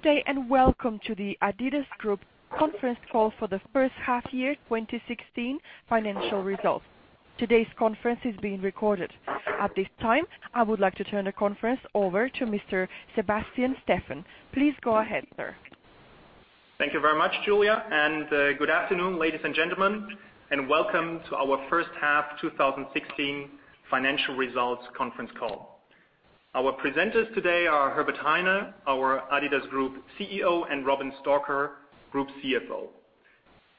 Good day, and welcome to the adidas Group conference call for the first half year 2016 financial results. Today's conference is being recorded. At this time, I would like to turn the conference over to Mr. Sebastian Steffen. Please go ahead, sir. Thank you very much, Julia. Good afternoon, ladies and gentlemen, and welcome to our first half 2016 financial results conference call. Our presenters today are Herbert Hainer, our adidas Group CEO, and Robin Stalker, Group CFO.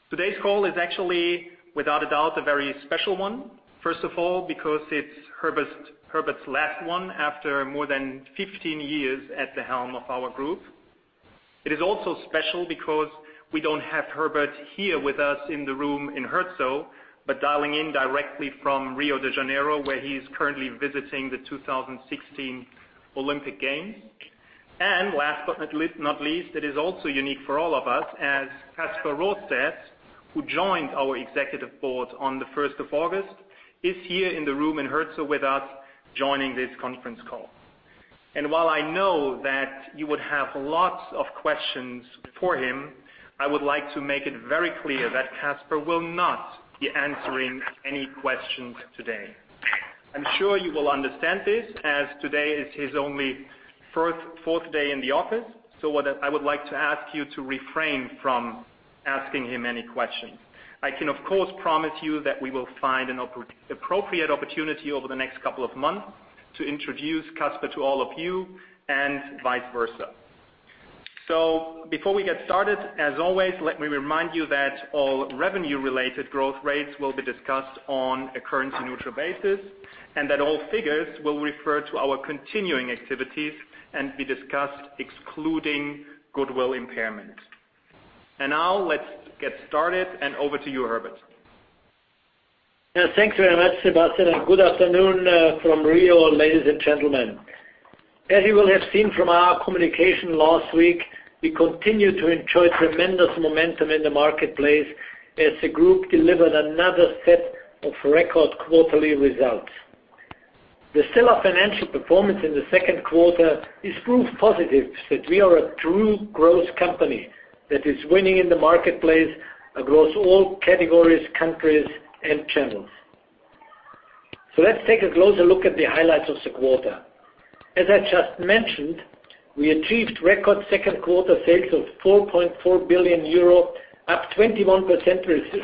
Today's call is actually, without a doubt, a very special one. First of all, because it's Herbert's last one after more than 15 years at the helm of our group. It is also special because we don't have Herbert here with us in the room in Herzogenaurach, but dialing in directly from Rio de Janeiro, where he is currently visiting the 2016 Olympic Games. Last but not least, it is also unique for all of us as Kasper Rørsted, who joined our executive board on the 1st of August, is here in the room in Herzogenaurach with us, joining this conference call. While I know that you would have lots of questions for him, I would like to make it very clear that Kasper will not be answering any questions today. I'm sure you will understand this as today is his only fourth day in the office. So I would like to ask you to refrain from asking him any questions. I can, of course, promise you that we will find an appropriate opportunity over the next couple of months to introduce Kasper to all of you and vice versa. So before we get started, as always, let me remind you that all revenue-related growth rates will be discussed on a currency-neutral basis, and that all figures will refer to our continuing activities and be discussed excluding goodwill impairment. Now let's get started, and over to you, Herbert. Yeah. Thanks very much, Sebastian. Good afternoon from Rio, ladies and gentlemen. As you will have seen from our communication last week, we continue to enjoy tremendous momentum in the marketplace as the adidas Group delivered another set of record quarterly results. The sell-off financial performance in the second quarter is proof positive that we are a true growth company that is winning in the marketplace across all categories, countries, and channels. So let's take a closer look at the highlights of the quarter. As I just mentioned, we achieved record second quarter sales of 4.4 billion euro, up 21%,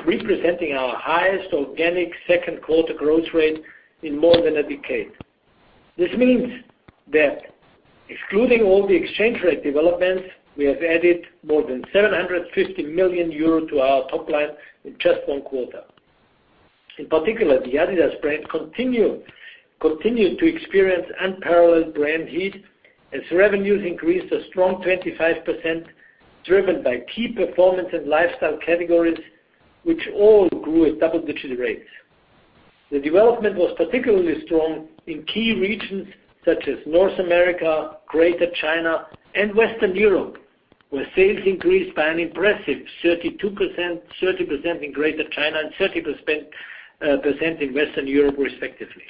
representing our highest organic second quarter growth rate in more than a decade. This means that excluding all the exchange rate developments, we have added more than 750 million euros to our top line in just one quarter. In particular, the adidas brand continued to experience unparalleled brand heat as revenues increased a strong 25%, driven by key performance and lifestyle categories, which all grew at double-digit rates. The development was particularly strong in key regions such as North America, Greater China, and Western Europe, where sales increased by an impressive 32%, 30% in Greater China and 30% in Western Europe, respectively.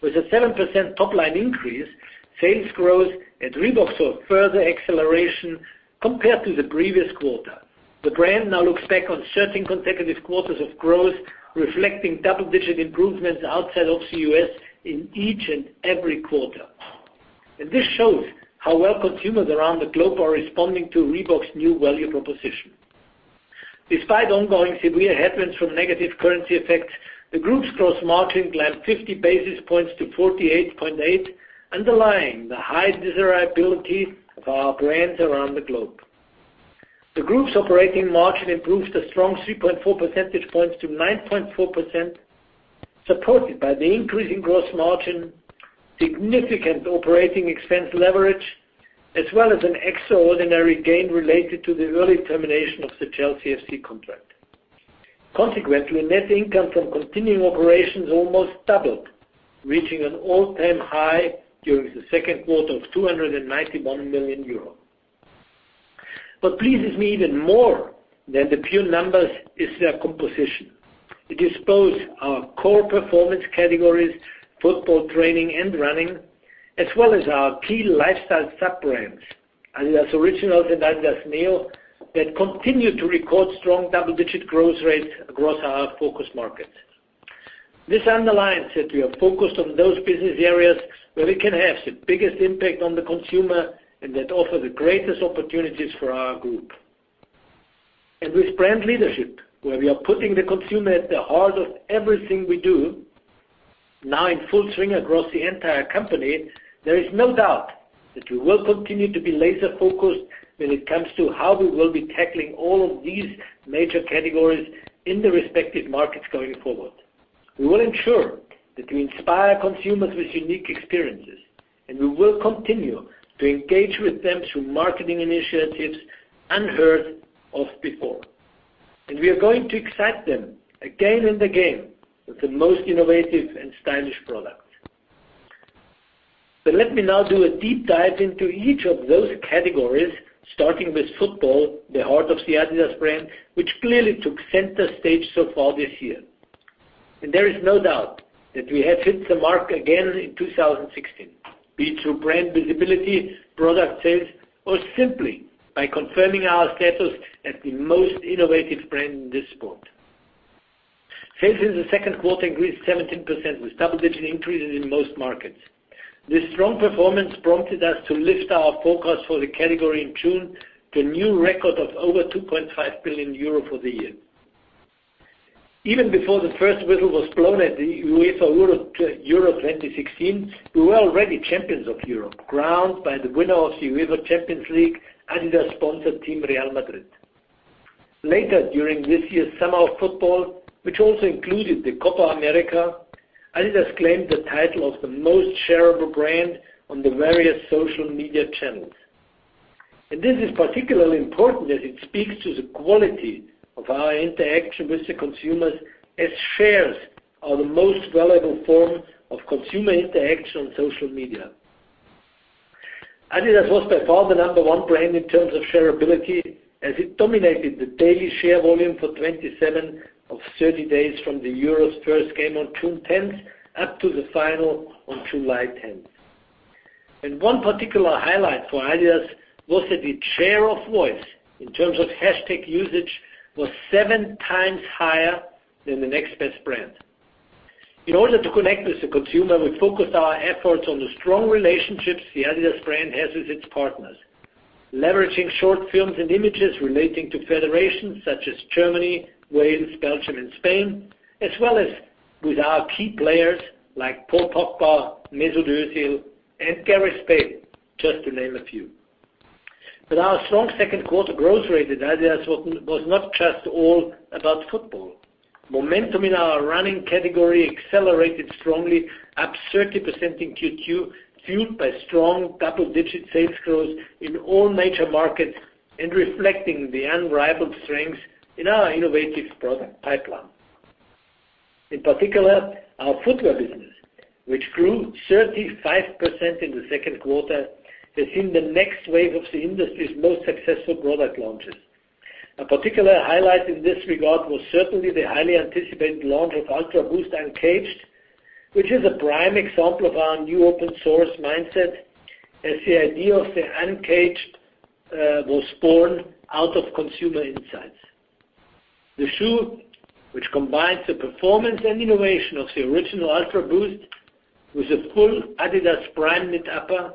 With a 7% top-line increase, sales growth at Reebok saw further acceleration compared to the previous quarter. This shows how well consumers around the globe are responding to Reebok's new value proposition. Despite ongoing severe headwinds from negative currency effects, the group's gross margin climbed 50 basis points to 48.8%, underlying the high desirability of our brands around the globe. The group's operating margin improved a strong 3.4 percentage points to 9.4%, supported by the increasing gross margin, significant operating expense leverage, as well as an extraordinary gain related to the early termination of the Chelsea FC contract. Consequently, net income from continuing operations almost doubled, reaching an all-time high during the second quarter of 291 million euros. What pleases me even more than the pure numbers is their composition. It exposes our core performance categories, football, training, and running, as well as our key lifestyle sub-brands, adidas Originals and adidas Neo, that continued to record strong double-digit growth rates across our focus markets. This underlines that we are focused on those business areas where we can have the biggest impact on the consumer and that offer the greatest opportunities for our group. With brand leadership, where we are putting the consumer at the heart of everything we do, now in full swing across the entire company, there is no doubt that we will continue to be laser-focused when it comes to how we will be tackling all of these major categories in the respective markets going forward. We will ensure that we inspire consumers with unique experiences, and we will continue to engage with them through marketing initiatives unheard of before. We are going to excite them again and again with the most innovative and stylish products. Let me now do a deep dive into each of those categories, starting with football, the heart of the adidas brand, which clearly took center stage so far this year. There is no doubt that we have hit the mark again in 2016, be it through brand visibility, product sales, or simply by confirming our status as the most innovative brand in this sport. Sales in the second quarter increased 17% with double-digit increases in most markets. This strong performance prompted us to lift our forecast for the category in June to a new record of over 2.5 billion euro for the year. Even before the first whistle was blown at the UEFA EURO 2016, we were already champions of Europe, crowned by the winner of the UEFA Champions League, adidas-sponsored team Real Madrid. Later during this year's summer of football, which also included the Copa América, adidas claimed the title of the most shareable brand on the various social media channels. This is particularly important as it speaks to the quality of our interaction with the consumers, as shares are the most valuable form of consumer interaction on social media. adidas was by far the number one brand in terms of shareability, as it dominated the daily share volume for 27 of 30 days from the Euro's first game on June 10th, up to the final on July 10th. One particular highlight for adidas was that its share of voice in terms of hashtag usage was seven times higher than the next best brand. In order to connect with the consumer, we focused our efforts on the strong relationships the adidas brand has with its partners, leveraging short films and images relating to federations such as Germany, Wales, Belgium, and Spain, as well as with our key players like Paul Pogba, Mesut Özil, and Gareth Bale, just to name a few. Our strong second quarter growth rate at adidas was not just all about football. Momentum in our running category accelerated strongly, up 30% in Q2, fueled by strong double-digit sales growth in all major markets and reflecting the unrivaled strength in our innovative product pipeline. In particular, our footwear business, which grew 35% in the second quarter, has seen the next wave of the industry's most successful product launches. A particular highlight in this regard was certainly the highly anticipated launch of UltraBOOST Uncaged, which is a prime example of our new open-source mindset, as the idea of the Uncaged was born out of consumer insights. The shoe, which combines the performance and innovation of the original UltraBOOST with a full adidas Primeknit upper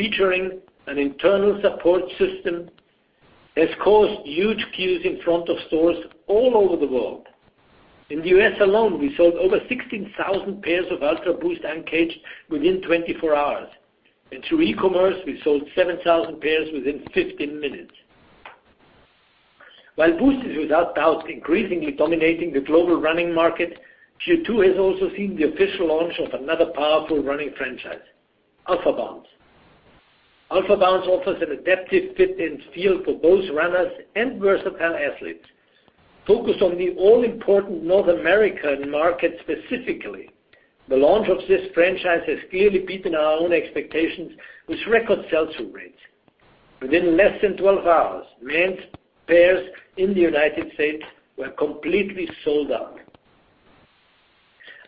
featuring an internal support system, has caused huge queues in front of stores all over the world. In the U.S. alone, we sold over 16,000 pairs of UltraBOOST Uncaged within 24 hours. Through e-commerce, we sold 7,000 pairs within 15 minutes. While Boost is without doubt increasingly dominating the global running market, Q2 has also seen the official launch of another powerful running franchise, AlphaBOUNCE. AlphaBOUNCE offers an adaptive fit and feel for both runners and versatile athletes. Focused on the all-important North American market specifically, the launch of this franchise has clearly beaten our own expectations with record sell-through rates. Within less than 12 hours, men's pairs in the United States were completely sold out.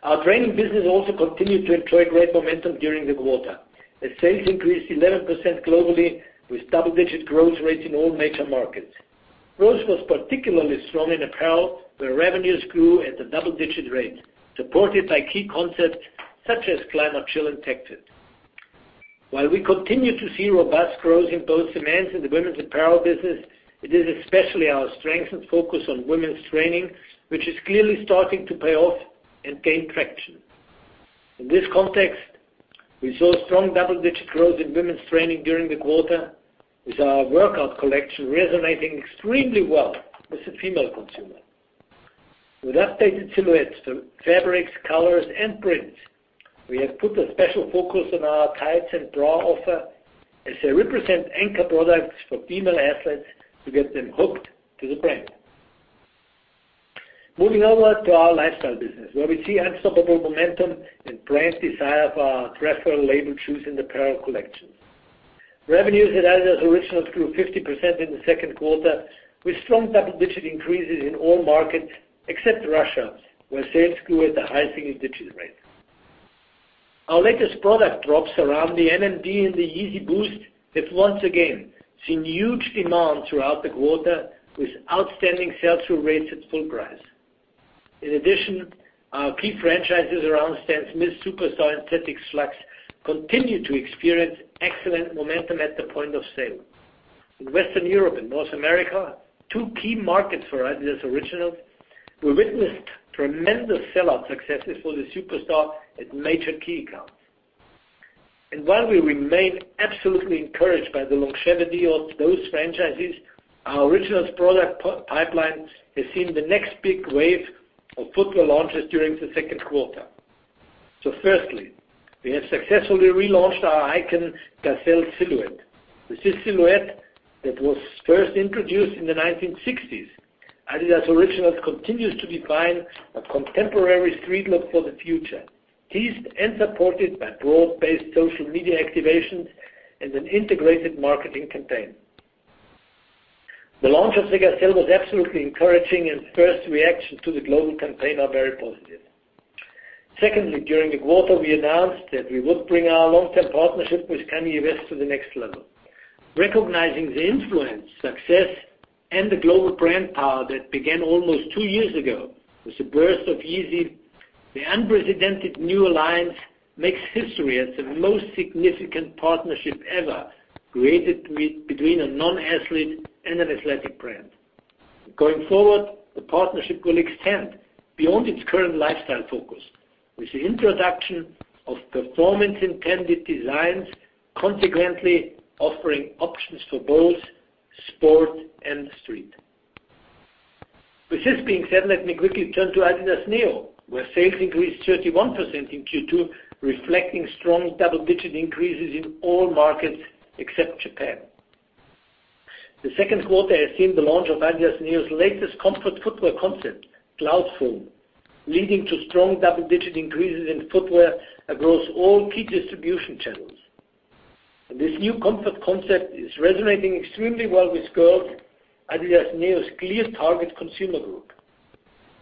Our training business also continued to enjoy great momentum during the quarter, as sales increased 11% globally, with double-digit growth rates in all major markets. Growth was particularly strong in apparel, where revenues grew at a double-digit rate, supported by key concepts such as Climachill and Techfit. While we continue to see robust growth in both the men's and the women's apparel business, it is especially our strengthened focus on women's training, which is clearly starting to pay off and gain traction. In this context, we saw strong double-digit growth in women's training during the quarter with our workout collection resonating extremely well with the female consumer. With updated silhouettes, fabrics, colors, and prints, we have put a special focus on our tights and bra offer, as they represent anchor products for female athletes to get them hooked to the brand. Moving onward to our lifestyle business, where we see unstoppable momentum and brand desire for our preferential label shoes and apparel collections. Revenues at adidas Originals grew 50% in the second quarter with strong double-digit increases in all markets except Russia, where sales grew at a high single-digit rate. Our latest product drops around the NMD and the Yeezy Boost have once again seen huge demand throughout the quarter with outstanding sell-through rates at full price. In addition, our key franchises around Stan Smith, Superstar, and Tennis Hu continue to experience excellent momentum at the point of sale. While we remain absolutely encouraged by the longevity of those franchises, our Originals product pipeline has seen the next big wave of footwear launches during the second quarter. Firstly, we have successfully relaunched our icon Gazelle silhouette. With this silhouette that was first introduced in the 1960s, adidas Originals continues to define a contemporary street look for the future, teased and supported by broad-based social media activations and an integrated marketing campaign. The launch of Gazelle was absolutely encouraging, and first reactions to the global campaign are very positive. Secondly, during the quarter, we announced that we would bring our long-term partnership with Kanye West to the next level. Recognizing the influence, success, and the global brand power that began almost two years ago with the birth of Yeezy, the unprecedented new alliance makes history as the most significant partnership ever created between a non-athlete and an athletic brand. Going forward, the partnership will extend beyond its current lifestyle focus with the introduction of performance-intended designs, consequently offering options for both sport and street. With this being said, let me quickly turn to adidas NEO, where sales increased 31% in Q2, reflecting strong double-digit increases in all markets except Japan. The second quarter has seen the launch of adidas NEO's latest comfort footwear concept, Cloudfoam, leading to strong double-digit increases in footwear across all key distribution channels. This new comfort concept is resonating extremely well with girls, adidas NEO's clear target consumer group,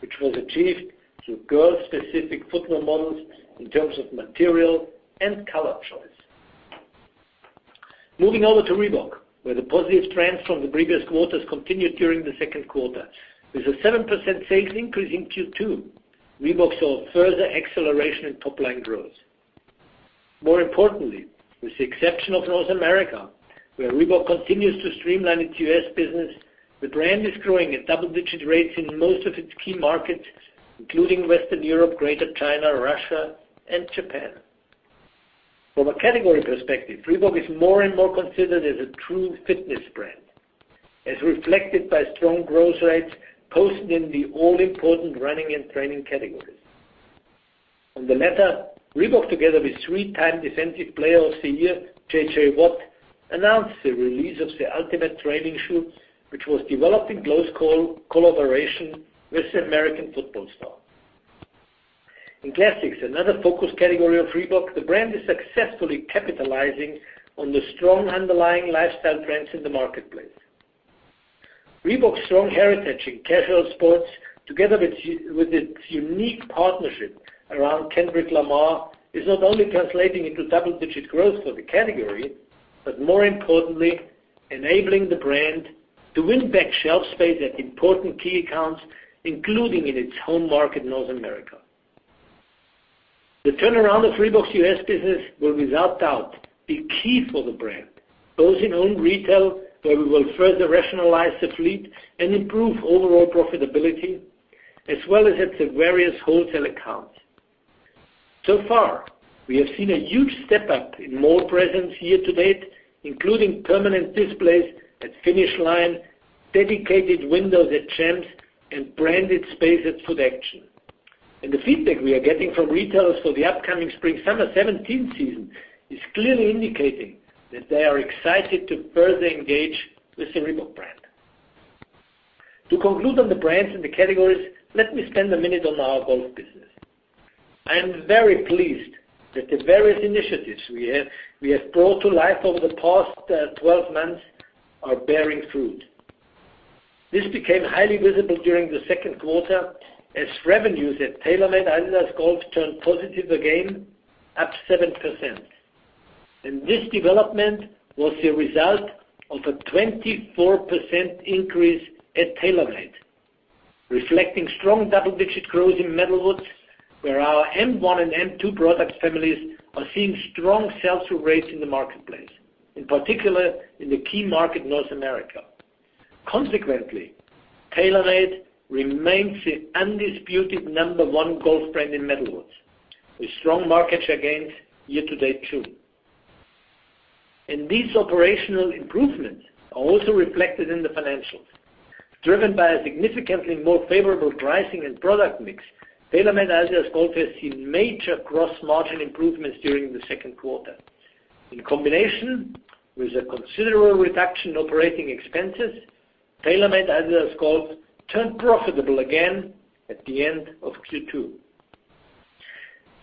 which was achieved through girl-specific footwear models in terms of material and color choice. Moving over to Reebok, where the positive trends from the previous quarters continued during the second quarter. With a 7% sales increase in Q2, Reebok saw further acceleration in top-line growth. More importantly, with the exception of North America, where Reebok continues to streamline its U.S. business, the brand is growing at double-digit rates in most of its key markets, including Western Europe, Greater China, Russia, and Japan. From a category perspective, Reebok is more and more considered as a true fitness brand, as reflected by strong growth rates posted in the all-important running and training categories. On the latter, Reebok, together with three-time defensive player of the year, J.J. Watt, announced the release of the ultimate training shoe, which was developed in close collaboration with the American football star. In Classics, another focus category of Reebok, the brand is successfully capitalizing on the strong underlying lifestyle trends in the marketplace. Reebok's strong heritage in casual sports, together with its unique partnership around Kendrick Lamar, is not only translating into double-digit growth for the category, but more importantly, enabling the brand to win back shelf space at important key accounts, including in its home market, North America. The turnaround of Reebok's U.S. business will, without doubt, be key for the brand, both in owned retail, where we will further rationalize the fleet and improve overall profitability, as well as at the various wholesale accounts. Far, we have seen a huge step up in mall presence year-to-date, including permanent displays at Finish Line, dedicated windows at Champs, and branded space at Footaction. The feedback we are getting from retailers for the upcoming spring/summer 2017 season is clearly indicating that they are excited to further engage with the Reebok brand. To conclude on the brands and the categories, let me spend a minute on our golf business. I am very pleased that the various initiatives we have brought to life over the past 12 months are bearing fruit. This became highly visible during the second quarter as revenues at TaylorMade-adidas Golf turned positive again, up 7%. This development was the result of a 24% increase at TaylorMade, reflecting strong double-digit growth in metalwoods, where our M1 and M2 product families are seeing strong sell-through rates in the marketplace, in particular in the key market, North America. Consequently, TaylorMade remains the undisputed number 1 golf brand in metalwoods, with strong market share gains year-to-date too. These operational improvements are also reflected in the financials. Driven by a significantly more favorable pricing and product mix, TaylorMade-adidas Golf has seen major gross margin improvements during the second quarter. In combination with a considerable reduction in operating expenses, TaylorMade-adidas Golf turned profitable again at the end of Q2.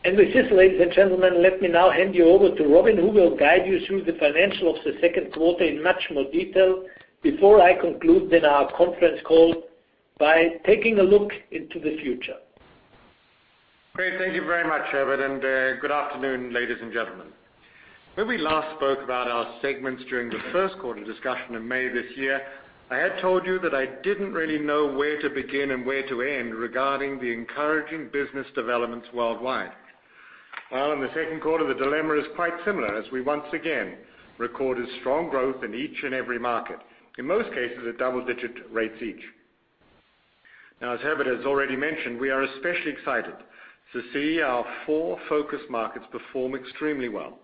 With this, ladies and gentlemen, let me now hand you over to Robin, who will guide you through the financials of the second quarter in much more detail before I conclude then our conference call by taking a look into the future. Great. Thank you very much, Herbert, and good afternoon, ladies and gentlemen. When we last spoke about our segments during the first quarter discussion in May this year, I had told you that I didn't really know where to begin and where to end regarding the encouraging business developments worldwide. In the second quarter, the dilemma is quite similar as we once again recorded strong growth in each and every market, in most cases at double-digit rates each. As Herbert has already mentioned, we are especially excited to see our four focus markets perform extremely well.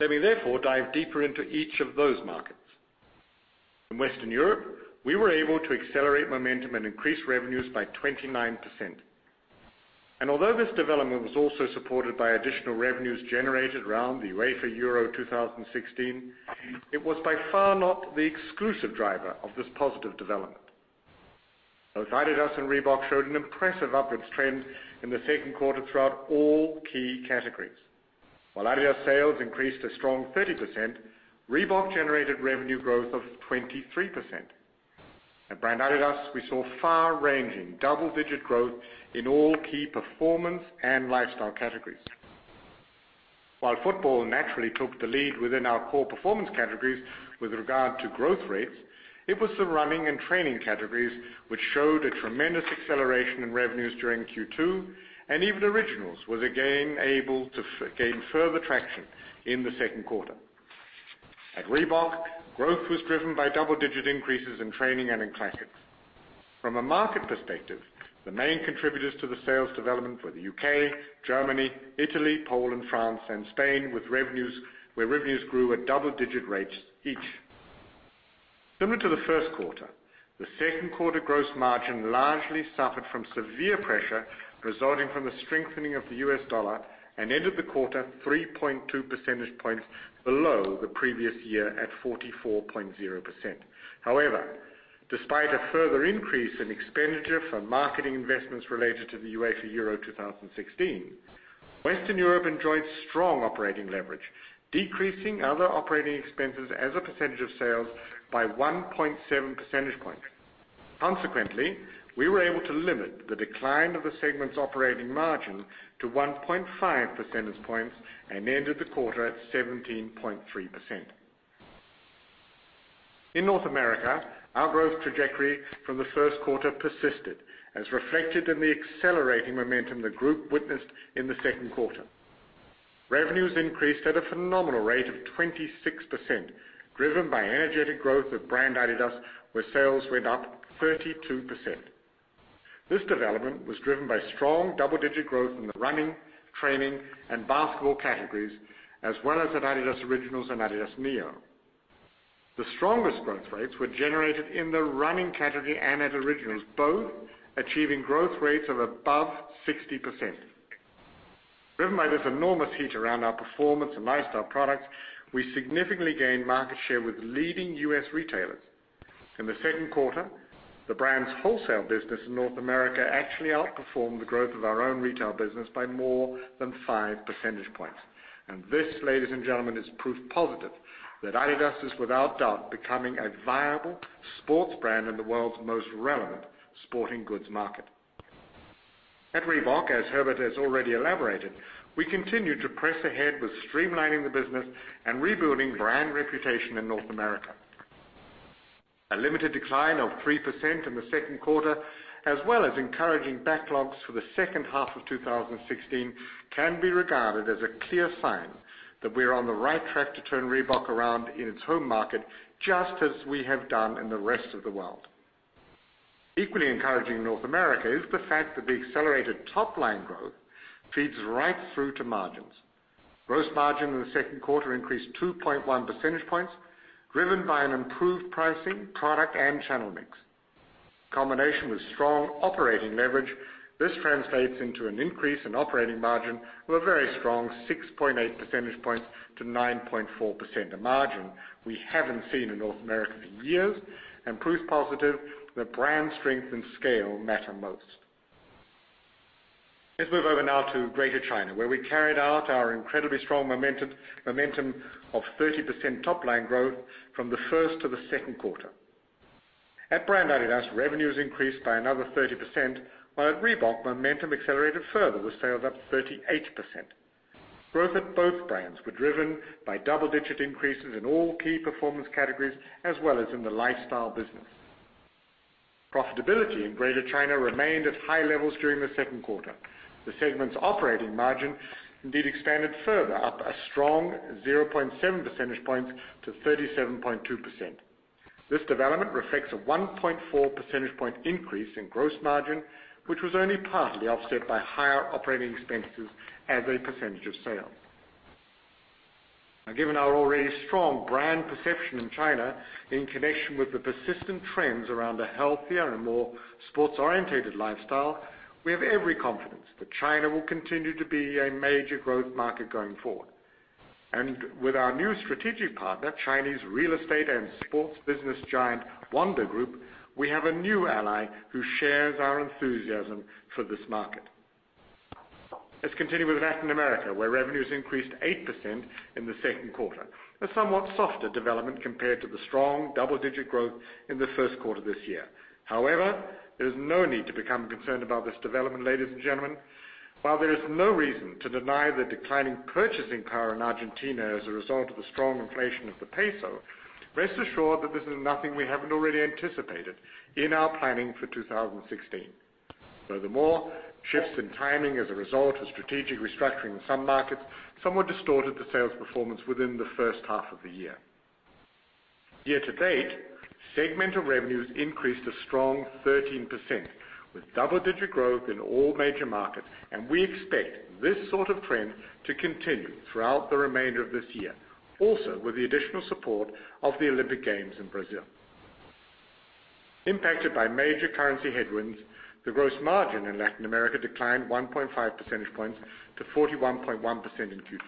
Let me therefore dive deeper into each of those markets. In Western Europe, we were able to accelerate momentum and increase revenues by 29%. Although this development was also supported by additional revenues generated around the UEFA EURO 2016, it was by far not the exclusive driver of this positive development. Both adidas and Reebok showed an impressive upwards trend in the second quarter throughout all key categories. While adidas sales increased a strong 30%, Reebok generated revenue growth of 23%. At brand adidas, we saw far-ranging double-digit growth in all key performance and lifestyle categories. While football naturally took the lead within our core performance categories with regard to growth rates, it was the running and training categories which showed a tremendous acceleration in revenues during Q2, and even Originals was again able to gain further traction in the second quarter. At Reebok, growth was driven by double-digit increases in training and in classics. From a market perspective, the main contributors to the sales development were the U.K., Germany, Italy, Poland, France, and Spain, where revenues grew at double-digit rates each. Similar to the first quarter, the second quarter gross margin largely suffered from severe pressure resulting from the strengthening of the US dollar and ended the quarter 3.2 percentage points below the previous year at 44.0%. Despite a further increase in expenditure for marketing investments related to the UEFA EURO 2016, Western Europe enjoyed strong operating leverage, decreasing other operating expenses as a percentage of sales by 1.7 percentage points. We were able to limit the decline of the segment's operating margin to 1.5 percentage points and ended the quarter at 17.3%. In North America, our growth trajectory from the first quarter persisted, as reflected in the accelerating momentum the group witnessed in the second quarter. Revenues increased at a phenomenal rate of 26%, driven by energetic growth of brand adidas, where sales went up 32%. This development was driven by strong double-digit growth in the running, training, and basketball categories, as well as at adidas Originals and adidas Neo. The strongest growth rates were generated in the running category and at Originals, both achieving growth rates of above 60%. Driven by this enormous heat around our performance and lifestyle products, we significantly gained market share with leading U.S. retailers. In the second quarter, the brand's wholesale business in North America actually outperformed the growth of our own retail business by more than five percentage points. This, ladies and gentlemen, is proof positive that adidas is without doubt becoming a viable sports brand in the world's most relevant sporting goods market. At Reebok, as Herbert has already elaborated, we continue to press ahead with streamlining the business and rebuilding brand reputation in North America. A limited decline of 3% in the second quarter, as well as encouraging backlogs for the second half of 2016, can be regarded as a clear sign that we're on the right track to turn Reebok around in its home market, just as we have done in the rest of the world. Equally encouraging in North America is the fact that the accelerated top-line growth feeds right through to margins. Gross margin in the second quarter increased 2.1 percentage points, driven by an improved pricing, product, and channel mix. Combination with strong operating leverage, this translates into an increase in operating margin of a very strong 6.8 percentage points to 9.4%, a margin we haven't seen in North America for years and proof positive that brand strength and scale matter most. Let's move over now to Greater China, where we carried out our incredibly strong momentum of 30% top-line growth from the first to the second quarter. At brand adidas, revenues increased by another 30%, while at Reebok, momentum accelerated further, with sales up 38%. Growth at both brands were driven by double-digit increases in all key performance categories as well as in the lifestyle business. Profitability in Greater China remained at high levels during the second quarter. The segment's operating margin indeed expanded further, up a strong 0.7 percentage points to 37.2%. This development reflects a 1.4 percentage point increase in gross margin, which was only partly offset by higher operating expenses as a percentage of sales. Given our already strong brand perception in China in connection with the persistent trends around a healthier and a more sports-orientated lifestyle, we have every confidence that China will continue to be a major growth market going forward. With our new strategic partner, Chinese real estate and sports business giant Wanda Group, we have a new ally who shares our enthusiasm for this market. Let's continue with Latin America, where revenues increased 8% in the second quarter. A somewhat softer development compared to the strong double-digit growth in the first quarter this year. However, there's no need to become concerned about this development, ladies and gentlemen. While there is no reason to deny the declining purchasing power in Argentina as a result of the strong inflation of the peso, rest assured that this is nothing we haven't already anticipated in our planning for 2016. Shifts in timing as a result of strategic restructuring in some markets somewhat distorted the sales performance within the first half of the year. Year to date, segmental revenues increased a strong 13%, with double-digit growth in all major markets, and we expect this sort of trend to continue throughout the remainder of this year, also with the additional support of the Olympic Games in Brazil. Impacted by major currency headwinds, the gross margin in Latin America declined 1.5 percentage points to 41.1% in Q2.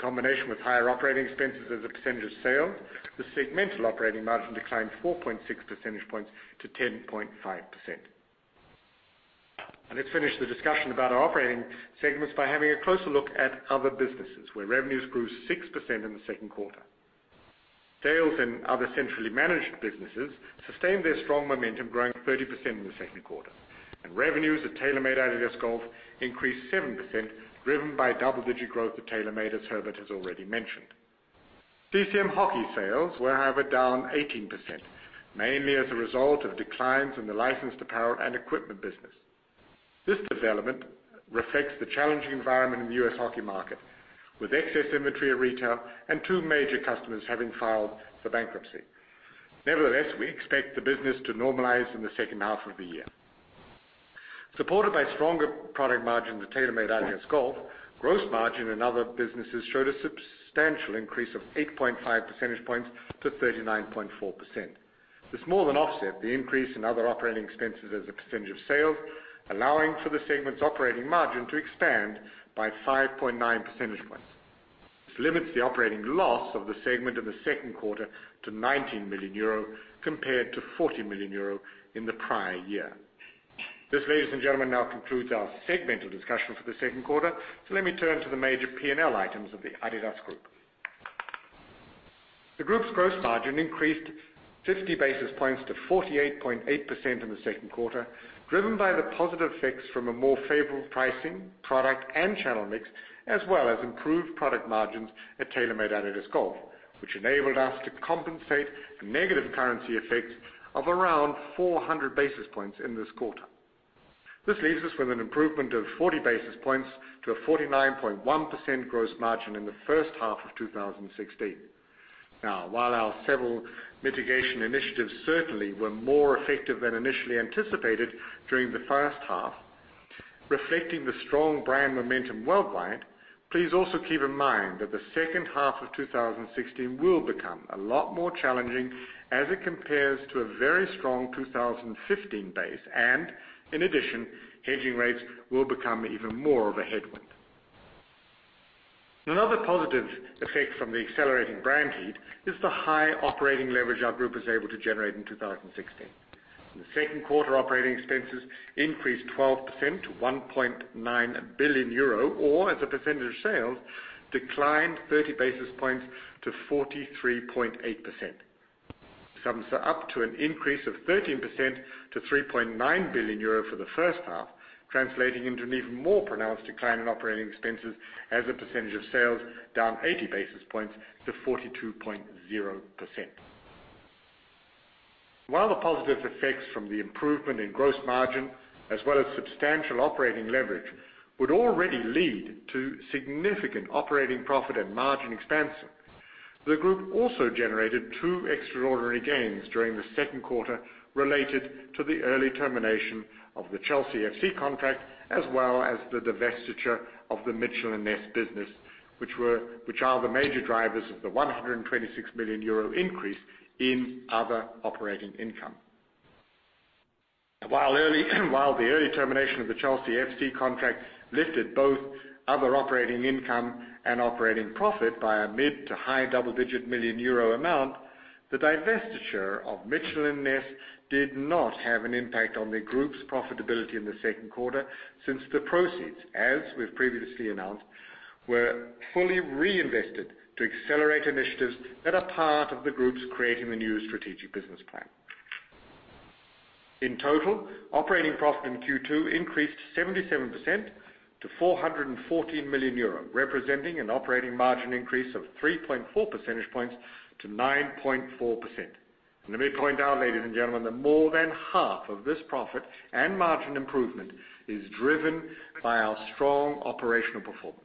Combination with higher operating expenses as a percentage of sales, the segmental operating margin declined 4.6 percentage points to 10.5%. Let's finish the discussion about our operating segments by having a closer look at other businesses, where revenues grew 6% in the second quarter. Sales in other centrally managed businesses sustained their strong momentum, growing 30% in the second quarter. Revenues at TaylorMade-adidas Golf increased 7%, driven by double-digit growth at TaylorMade, as Herbert has already mentioned. CCM Hockey sales were, however, down 18%, mainly as a result of declines in the licensed apparel and equipment business. This development reflects the challenging environment in the U.S. hockey market, with excess inventory at retail and two major customers having filed for bankruptcy. Nevertheless, we expect the business to normalize in the second half of the year. Supported by stronger product margin at TaylorMade-adidas Golf, gross margin in other businesses showed a substantial increase of 8.5 percentage points to 39.4%. This more than offset the increase in other operating expenses as a percentage of sales, allowing for the segment's operating margin to expand by 5.9 percentage points. This limits the operating loss of the segment in the second quarter to 19 million euro compared to 40 million euro in the prior year. This, ladies and gentlemen, now concludes our segmental discussion for the second quarter. Let me turn to the major P&L items of the adidas Group. The group's gross margin increased 50 basis points to 48.8% in the second quarter, driven by the positive effects from a more favorable pricing, product, and channel mix, as well as improved product margins at TaylorMade-adidas Golf, which enabled us to compensate for negative currency effects of around 400 basis points in this quarter. This leaves us with an improvement of 40 basis points to a 49.1% gross margin in the first half of 2016. While our several mitigation initiatives certainly were more effective than initially anticipated during the first half, reflecting the strong brand momentum worldwide, please also keep in mind that the second half of 2016 will become a lot more challenging as it compares to a very strong 2015 base. In addition, hedging rates will become even more of a headwind. Another positive effect from the accelerating brand heat is the high operating leverage our group was able to generate in 2016. In the second quarter, operating expenses increased 12% to 1.9 billion euro, or as a percentage of sales, declined 30 basis points to 43.8%. Sums are up to an increase of 13% to 3.9 billion euro for the first half, translating into an even more pronounced decline in operating expenses as a percentage of sales, down 80 basis points to 42.0%. While the positive effects from the improvement in gross margin as well as substantial operating leverage would already lead to significant operating profit and margin expansion, the group also generated two extraordinary gains during the second quarter related to the early termination of the Chelsea FC contract, as well as the divestiture of the Mitchell & Ness business, which are the major drivers of the 126 million euro increase in other operating income. While the early termination of the Chelsea FC contract lifted both other operating income and operating profit by a mid to high double-digit million euro amount, the divestiture of Mitchell & Ness did not have an impact on the group's profitability in the second quarter, since the proceeds, as we've previously announced, were fully reinvested to accelerate initiatives that are part of the group's Creating the New strategic business plan. In total, operating profit in Q2 increased 77% to 414 million euro, representing an operating margin increase of 3.4 percentage points to 9.4%. Let me point out, ladies and gentlemen, that more than half of this profit and margin improvement is driven by our strong operational performance.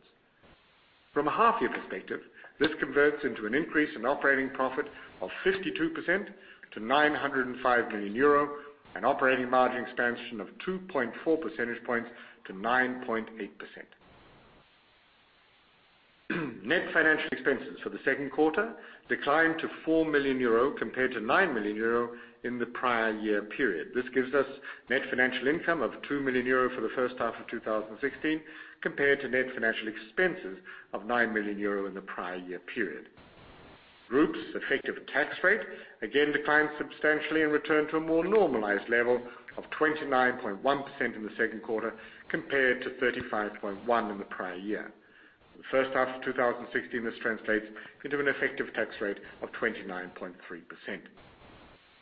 From a half-year perspective, this converts into an increase in operating profit of 52% to 905 million euro and operating margin expansion of 2.4 percentage points to 9.8%. Net financial expenses for the second quarter declined to 4 million euro compared to 9 million euro in the prior year period. This gives us net financial income of 2 million euro for the first half of 2016 compared to net financial expenses of 9 million euro in the prior year period. Group's effective tax rate again declined substantially and returned to a more normalized level of 29.1% in the second quarter, compared to 35.1% in the prior year. For the first half of 2016, this translates into an effective tax rate of 29.3%.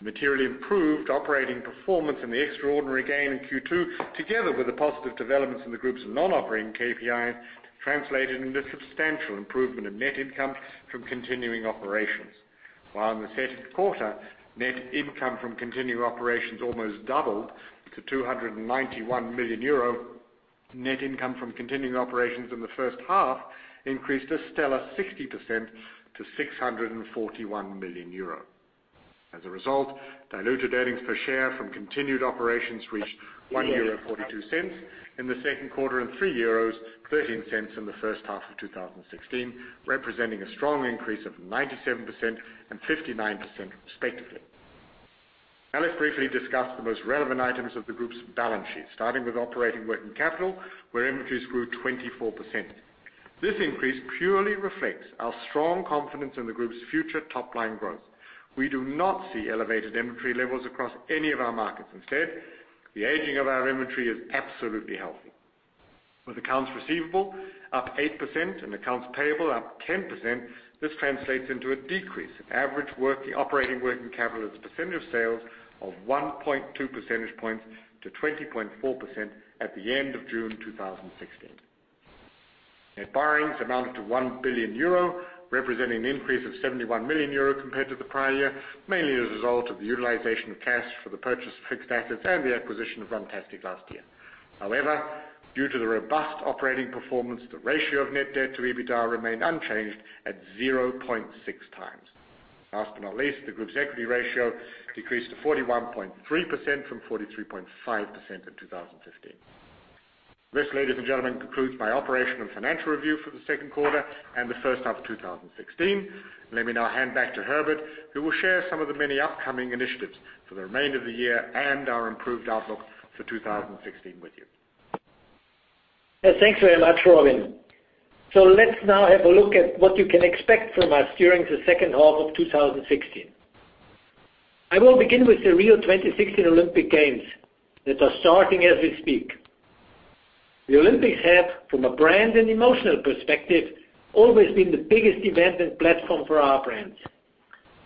Materially improved operating performance and the extraordinary gain in Q2, together with the positive developments in the group's non-operating KPI, translated into substantial improvement of net income from continuing operations. While in the second quarter, net income from continuing operations almost doubled to 291 million euro, net income from continuing operations in the first half increased a stellar 60% to 641 million euro. As a result, diluted earnings per share from continued operations reached 1.42 euro in the second quarter and 3.13 euros in the first half of 2016, representing a strong increase of 97% and 59% respectively. Let's briefly discuss the most relevant items of the group's balance sheet, starting with operating working capital, where inventories grew 24%. This increase purely reflects our strong confidence in the group's future top-line growth. We do not see elevated inventory levels across any of our markets. Instead, the aging of our inventory is absolutely healthy. With accounts receivable up 8% and accounts payable up 10%, this translates into a decrease in average working operating working capital as a percentage of sales of 1.2 percentage points to 20.4% at the end of June 2016. Net borrowings amounted to 1 billion euro, representing an increase of 71 million euro compared to the prior year, mainly as a result of the utilization of cash for the purchase of fixed assets and the acquisition of Runtastic last year. However, due to the robust operating performance, the ratio of net debt to EBITDA remained unchanged at 0.6 times. Last, but not least, the group's equity ratio decreased to 41.3% from 43.5% in 2015. This, ladies and gentlemen, concludes my operational and financial review for the second quarter and the first half of 2016. Let me now hand back to Herbert, who will share some of the many upcoming initiatives for the remainder of the year and our improved outlook for 2016 with you. Thanks very much, Robin. Let's now have a look at what you can expect from us during the second half of 2016. I will begin with the Rio 2016 Olympic Games that are starting as we speak. The Olympics have, from a brand and emotional perspective, always been the biggest event and platform for our brands.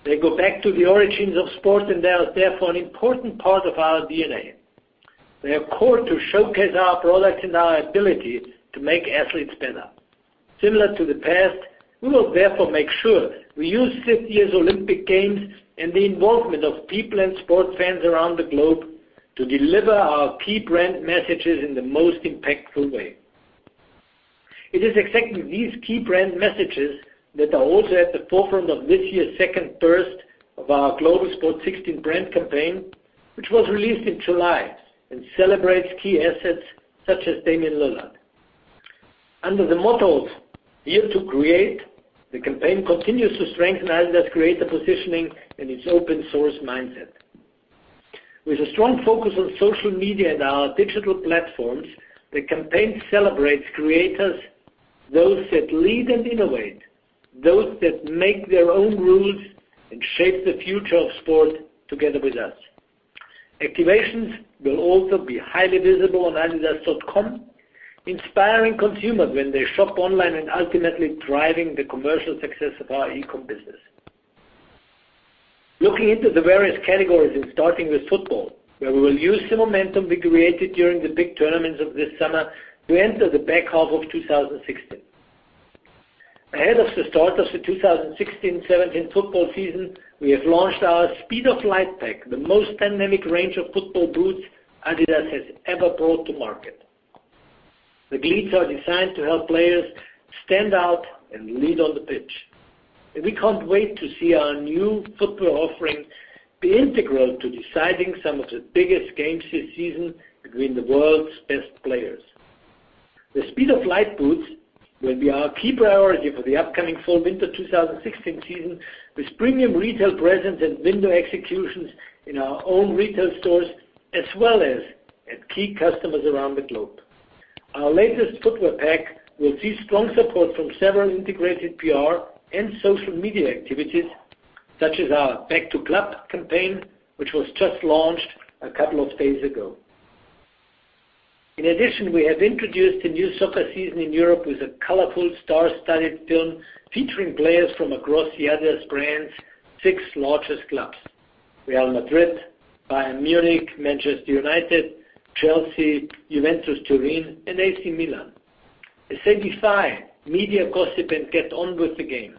They go back to the origins of sport, and they are therefore an important part of our DNA. They are core to showcase our products and our ability to make athletes better. Similar to the past, we will therefore make sure we use this year's Olympic Games and the involvement of people and sports fans around the globe to deliver our key brand messages in the most impactful way. It is exactly these key brand messages that are also at the forefront of this year's second burst of our Global Sport 16 brand campaign, which was released in July and celebrates key assets such as Damian Lillard. Under the motto "Here To Create," the campaign continues to strengthen adidas's creator positioning and its open-source mindset. With a strong focus on social media and our digital platforms, the campaign celebrates creators, those that lead and innovate, those that make their own rules and shape the future of sport together with us. Activations will also be highly visible on adidas.com, inspiring consumers when they shop online and ultimately driving the commercial success of our e-com business. Looking into the various categories and starting with football, where we will use the momentum we created during the big tournaments of this summer to enter the back half of 2016. Ahead of the start of the 2016/17 football season, we have launched our Speed of Light pack, the most dynamic range of football boots adidas has ever brought to market. The cleats are designed to help players stand out and lead on the pitch. We can't wait to see our new football offering be integral to deciding some of the biggest games this season between the world's best players. The Speed of Light boots will be our key priority for the upcoming fall/winter 2016 season, with premium retail presence and window executions in our own retail stores, as well as at key customers around the globe. Our latest football pack will see strong support from several integrated PR and social media activities, such as our Back to Club campaign, which was just launched a couple of days ago. In addition, we have introduced the new soccer season in Europe with a colorful, star-studded film featuring players from across the adidas brand's six largest clubs: Real Madrid, Bayern Munich, Manchester United, Chelsea, Juventus Turin, and AC Milan. They defy media gossip and get on with the game.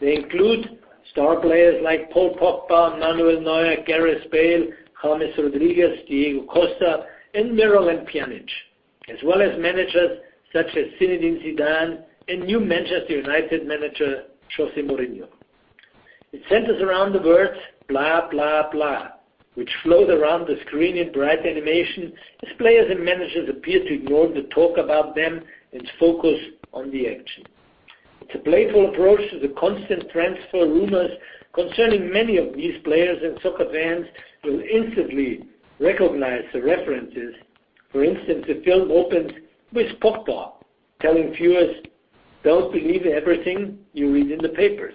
They include star players like Paul Pogba, Manuel Neuer, Gareth Bale, James Rodríguez, Diego Costa, and Miralem Pjanić, as well as managers such as Zinedine Zidane and new Manchester United manager, José Mourinho. It centers around the words "blah, blah," which float around the screen in bright animation as players and managers appear to ignore the talk about them and focus on the action. It's a playful approach to the constant transfer rumors concerning many of these players, and soccer fans will instantly recognize the references. For instance, the film opens with Pogba telling viewers, "Don't believe everything you read in the papers."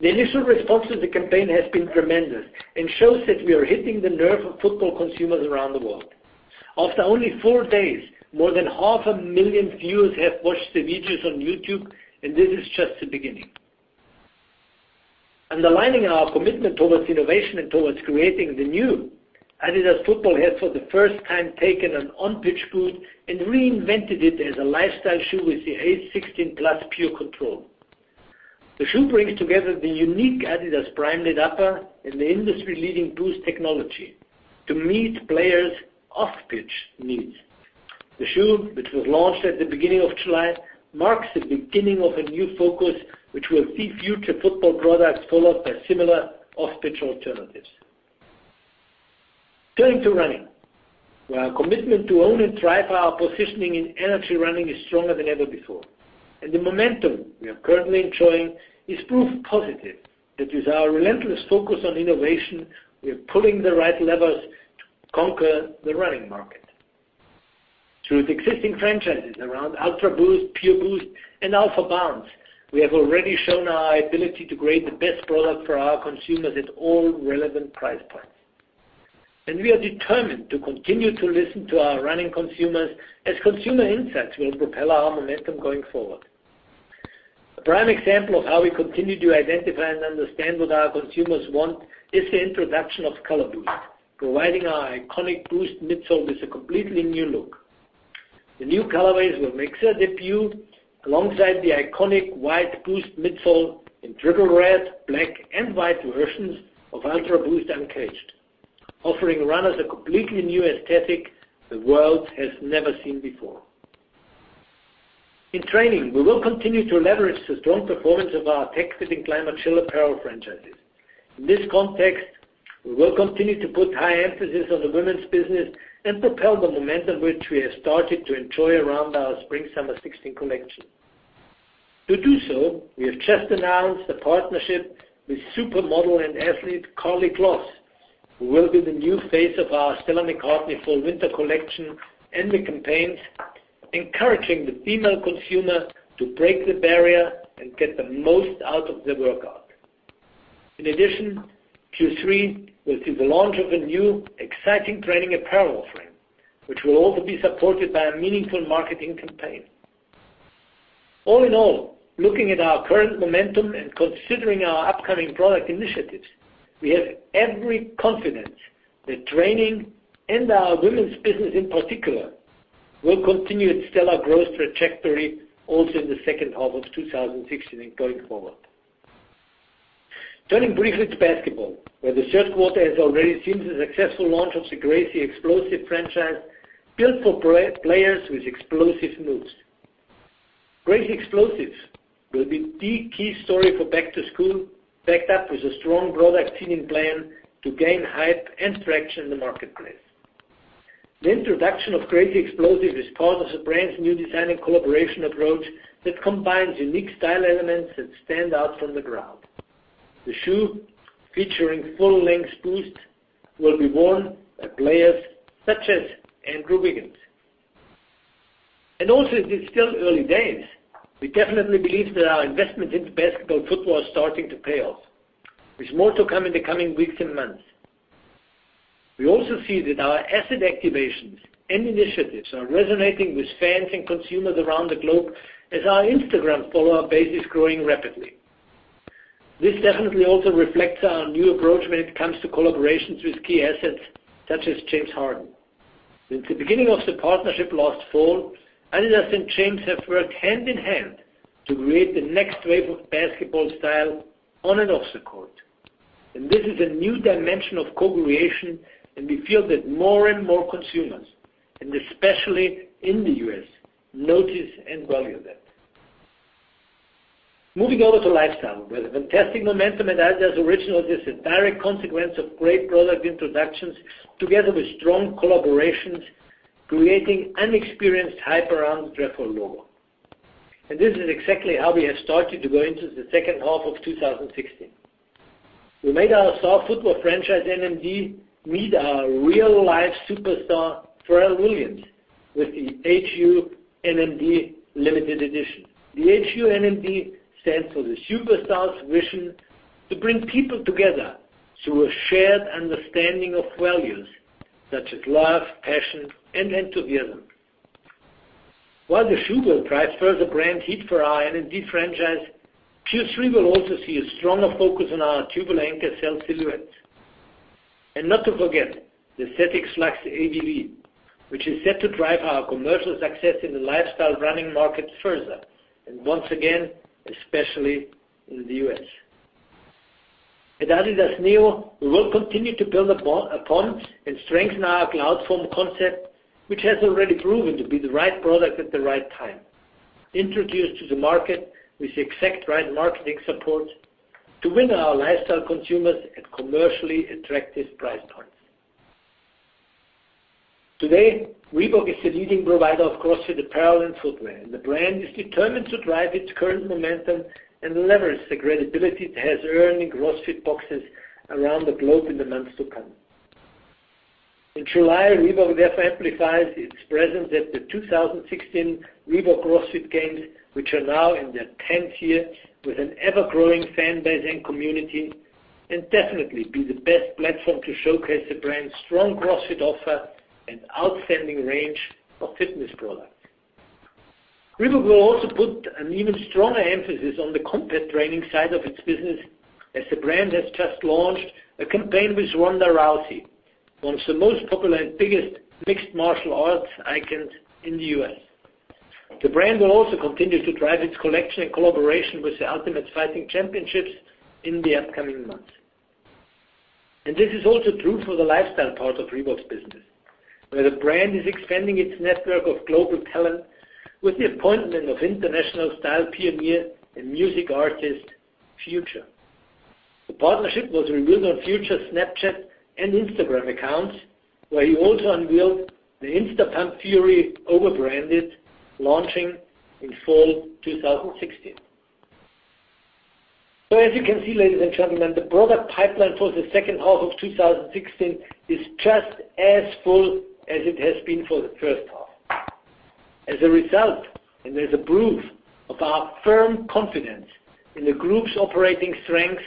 The initial response to the campaign has been tremendous and shows that we are hitting the nerve of football consumers around the world. After only four days, more than half a million viewers have watched the videos on YouTube, and this is just the beginning. Underlining our commitment towards innovation and towards Creating the New, adidas Football has, for the first time, taken an on-pitch boot and reinvented it as a lifestyle shoe with the ACE 16+ PURECONTROL. The shoe brings together the unique adidas Primeknit upper and the industry-leading Boost technology to meet players' off-pitch needs. The shoe, which was launched at the beginning of July, marks the beginning of a new focus, which will see future football products followed by similar off-pitch alternatives. Turning to running, where our commitment to own and drive our positioning in energy running is stronger than ever before. The momentum we are currently enjoying is proof positive that with our relentless focus on innovation, we are pulling the right levers to conquer the running market. Through the existing franchises around UltraBOOST, PureBOOST, and AlphaBOUNCE, we have already shown our ability to create the best product for our consumers at all relevant price points. We are determined to continue to listen to our running consumers, as consumer insights will propel our momentum going forward. A prime example of how we continue to identify and understand what our consumers want is the introduction of ColorBOOST, providing our iconic BOOST midsole with a completely new look. The new colorways will make their debut alongside the iconic white BOOST midsole in triple red, black, and white versions of UltraBOOST Uncaged, offering runners a completely new aesthetic the world has never seen before. In training, we will continue to leverage the strong performance of our Techfit ClimaChill apparel franchises. In this context, we will continue to put high emphasis on the women's business and propel the momentum which we have started to enjoy around our spring/summer 2016 collection. To do so, we have just announced a partnership with supermodel and athlete Karlie Kloss, who will be the new face of our Stella McCartney fall-winter collection and the campaigns, encouraging the female consumer to break the barrier and get the most out of their workout. In addition, Q3 will see the launch of a new exciting training apparel offering, which will also be supported by a meaningful marketing campaign. All in all, looking at our current momentum and considering our upcoming product initiatives, we have every confidence that training and our women's business in particular will continue its stellar growth trajectory also in the second half of 2016 and going forward. Turning briefly to basketball, where the third quarter has already seen the successful launch of the Crazy Explosive franchise, built for players with explosive moves. Crazy Explosives will be the key story for back to school, backed up with a strong product seeding plan to gain hype and traction in the marketplace. The introduction of Crazy Explosive is part of the brand's new design and collaboration approach that combines unique style elements that stand out from the crowd. The shoe, featuring full-length BOOST, will be worn by players such as Andrew Wiggins. Also, as it's still early days, we definitely believe that our investment into basketball footwear is starting to pay off, with more to come in the coming weeks and months. We also see that our asset activations and initiatives are resonating with fans and consumers around the globe, as our Instagram follower base is growing rapidly. This definitely also reflects our new approach when it comes to collaborations with key assets such as James Harden. Since the beginning of the partnership last fall, adidas and James have worked hand in hand to create the next wave of basketball style on and off the court. This is a new dimension of co-creation, and we feel that more and more consumers, and especially in the U.S., notice and value that. Moving over to lifestyle, where the fantastic momentum in adidas Originals is a direct consequence of great product introductions together with strong collaborations, creating unexperienced hype around Trefoil logo. This is exactly how we have started to go into the second half of 2016. We made our star football franchise, NMD, meet our real-life superstar, Pharrell Williams, with the Hu NMD limited edition. The Hu NMD stands for the superstar's vision to bring people together through a shared understanding of values such as love, passion, and enthusiasm. While the shoe will drive further brand heat for our NMD franchise, Q3 will also see a stronger focus on our Tubular and SL silhouettes. Not to forget the [aesthetic slacks, ABV], which is set to drive our commercial success in the lifestyle running market further, and once again, especially in the U.S. At adidas Neo, we will continue to build upon and strengthen our Cloudfoam concept, which has already proven to be the right product at the right time, introduced to the market with the exact right marketing support to win our lifestyle consumers at commercially attractive price points. Today, Reebok is the leading provider of CrossFit apparel and footwear. The brand is determined to drive its current momentum and leverage the credibility it has earned in CrossFit boxes around the globe in the months to come. In July, Reebok therefore amplifies its presence at the 2016 Reebok CrossFit Games, which are now in their 10th year with an ever-growing fan base and community, definitely be the best platform to showcase the brand's strong CrossFit offer and outstanding range of fitness products. Reebok will also put an even stronger emphasis on the combat training side of its business, as the brand has just launched a campaign with Ronda Rousey, one of the most popular and biggest mixed martial arts icons in the U.S. The brand will also continue to drive its collection and collaboration with the Ultimate Fighting Championship in the upcoming months. This is also true for the lifestyle part of Reebok's business. Where the brand is expanding its network of global talent with the appointment of international style pioneer and music artist, Future. The partnership was revealed on Future's Snapchat and Instagram accounts, where he also unveiled the Insta Pump Fury Overbranded, launching in fall 2016. As you can see, ladies and gentlemen, the product pipeline for the second half of 2016 is just as full as it has been for the first half. As a result, as a proof of our firm confidence in the group's operating strength,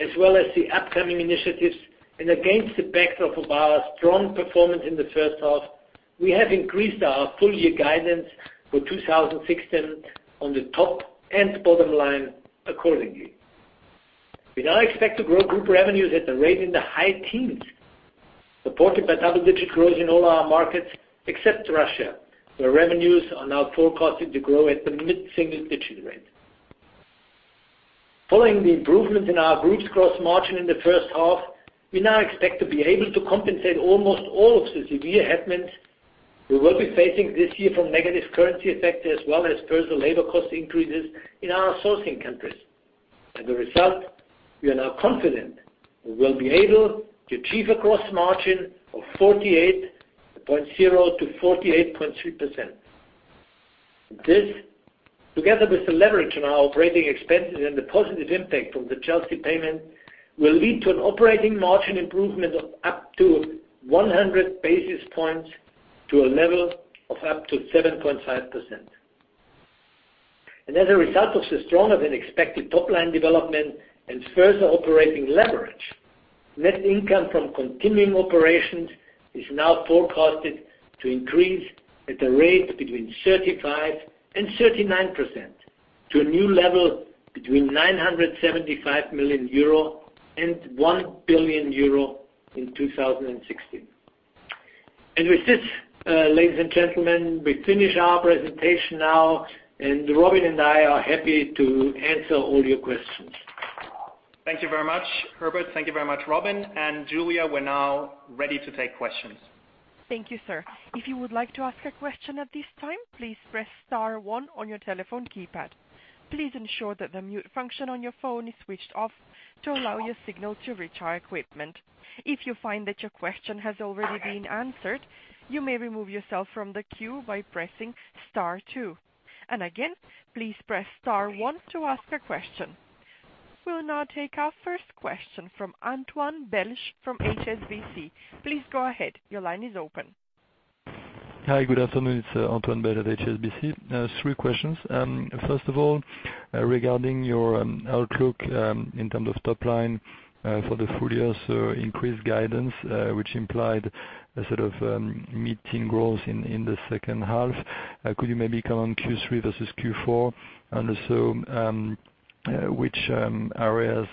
as well as the upcoming initiatives, against the backdrop of our strong performance in the first half, we have increased our full-year guidance for 2016 on the top and bottom line accordingly. We now expect to grow group revenues at a rate in the high teens, supported by double-digit growth in all our markets except Russia, where revenues are now forecasted to grow at the mid-single-digit rate. Following the improvements in our group's gross margin in the first half, we now expect to be able to compensate almost all of the severe headwinds we will be facing this year from negative currency effects, as well as personal labor cost increases in our sourcing countries. As a result, we are now confident we will be able to achieve a gross margin of 48.0%-48.3%. This, together with the leverage on our operating expenses and the positive impact from the Chelsea payment, will lead to an operating margin improvement of up to 100 basis points to a level of up to 7.5%. As a result of the stronger than expected top-line development and further operating leverage, net income from continuing operations is now forecasted to increase at a rate between 35% and 39% to a new level between 975 million euro and 1 billion euro in 2016. With this, ladies and gentlemen, we finish our presentation now, and Robin and I are happy to answer all your questions. Thank you very much, Herbert. Thank you very much, Robin. Julia, we're now ready to take questions. Thank you, sir. If you would like to ask a question at this time, please press star one on your telephone keypad. Please ensure that the mute function on your phone is switched off to allow your signal to reach our equipment. If you find that your question has already been answered, you may remove yourself from the queue by pressing star two. Again, please press star one to ask a question. We'll now take our first question from Antoine Belge from HSBC. Please go ahead. Your line is open. Hi. Good afternoon. It's Antoine Belge of HSBC. Three questions. First of all, regarding your outlook in terms of top line for the full year. Increased guidance, which implied a sort of mid-teen growth in the second half. Could you maybe comment on Q3 versus Q4? Also, which areas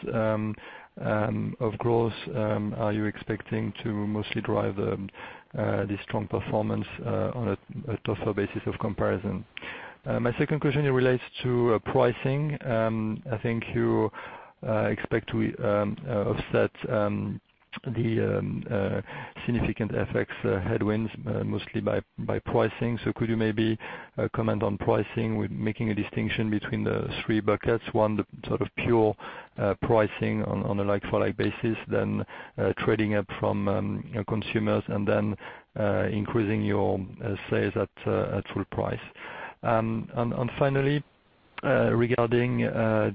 of growth are you expecting to mostly drive this strong performance on a tougher basis of comparison? My second question relates to pricing. I think you expect to offset the significant FX headwinds mostly by pricing. Could you maybe comment on pricing with making a distinction between the three buckets? One, the sort of pure pricing on a like-for-like basis, then trading up from your consumers, and then increasing your sales at full price. Finally, regarding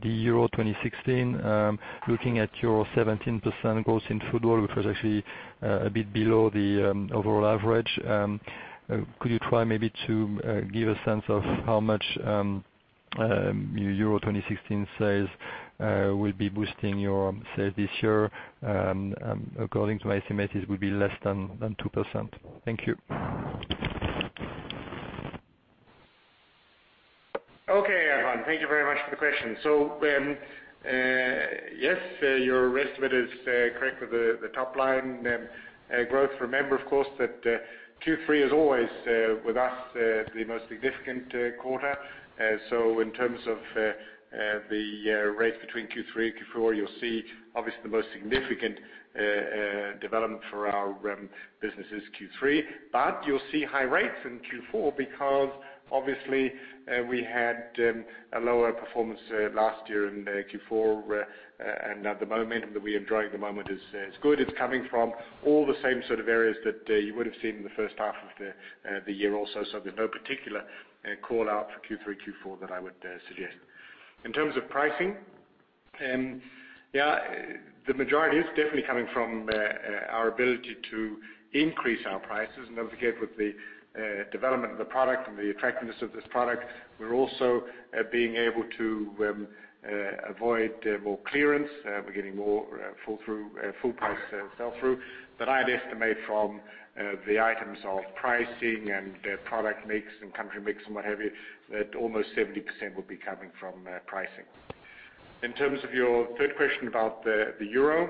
the Euro 2016, looking at your 17% growth in football, which was actually a bit below the overall average. Could you try maybe to give a sense of how much UEFA EURO 2016 sales will be boosting your sales this year? According to my estimate, it would be less than 2%. Thank you. Okay, Antoine. Thank you very much for the question. Yes, your estimate is correct with the top line growth. Remember, of course, that Q3 is always, with us, the most significant quarter. In terms of the rate between Q3 and Q4, you'll see, obviously, the most significant development for our businesses, Q3. You'll see high rates in Q4 because obviously we had a lower performance last year in Q4. The momentum that we are enjoying at the moment is good. It's coming from all the same sort of areas that you would have seen in the first half of the year also. There's no particular call-out for Q3, Q4 that I would suggest. In terms of pricing, the majority is definitely coming from our ability to increase our prices. Don't forget, with the development of the product and the attractiveness of this product, we're also being able to avoid more clearance. We're getting more full price sell-through. I'd estimate from the items of pricing and product mix and country mix and what have you, that almost 70% will be coming from pricing. In terms of your third question about the euro,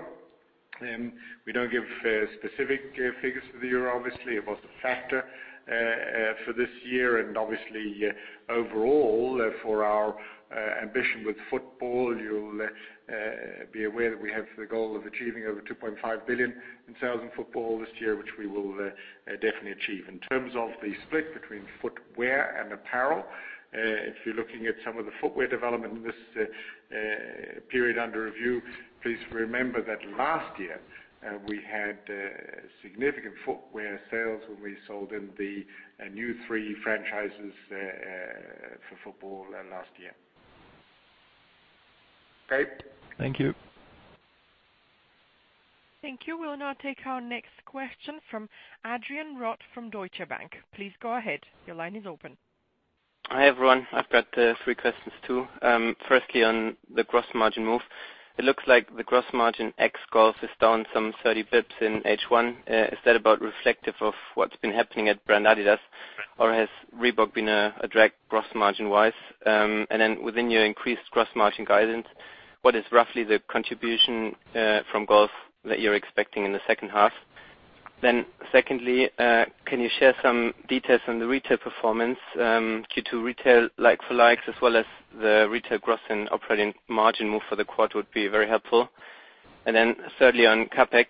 we don't give specific figures for the euro, obviously. It was a factor for this year and obviously overall for our ambition with football. You'll be aware that we have the goal of achieving over 2.5 billion in sales in football this year, which we will definitely achieve. In terms of the split between footwear and apparel, if you're looking at some of the footwear development in this period under review, please remember that last year we had significant footwear sales when we sold in the new three franchises for football last year. Okay? Thank you. Thank you. We'll now take our next question from Adrian Rott from Deutsche Bank. Please go ahead. Your line is open. Hi, everyone. I've got three questions too. Firstly, on the gross margin move, it looks like the gross margin ex golf is down some 30 basis points in H1. Is that about reflective of what's been happening at brand adidas, or has Reebok been a drag gross margin-wise? Within your increased gross margin guidance, what is roughly the contribution from golf that you're expecting in the second half? Secondly, can you share some details on the retail performance? Q2 retail like for likes as well as the retail gross and operating margin move for the quarter would be very helpful. Thirdly, on CapEx,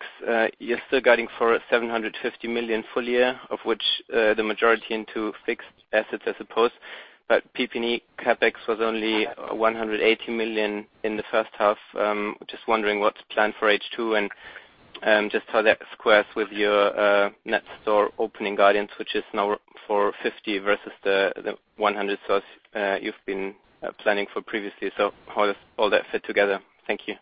you're still guiding for 750 million full year, of which the majority into fixed assets, I suppose. PP&E CapEx was only 180 million in the first half. Just wondering what's planned for H2 and just how that squares with your net store opening guidance, which is now for 50 versus the 100 stores you've been planning for previously. How does all that fit together? Thank you.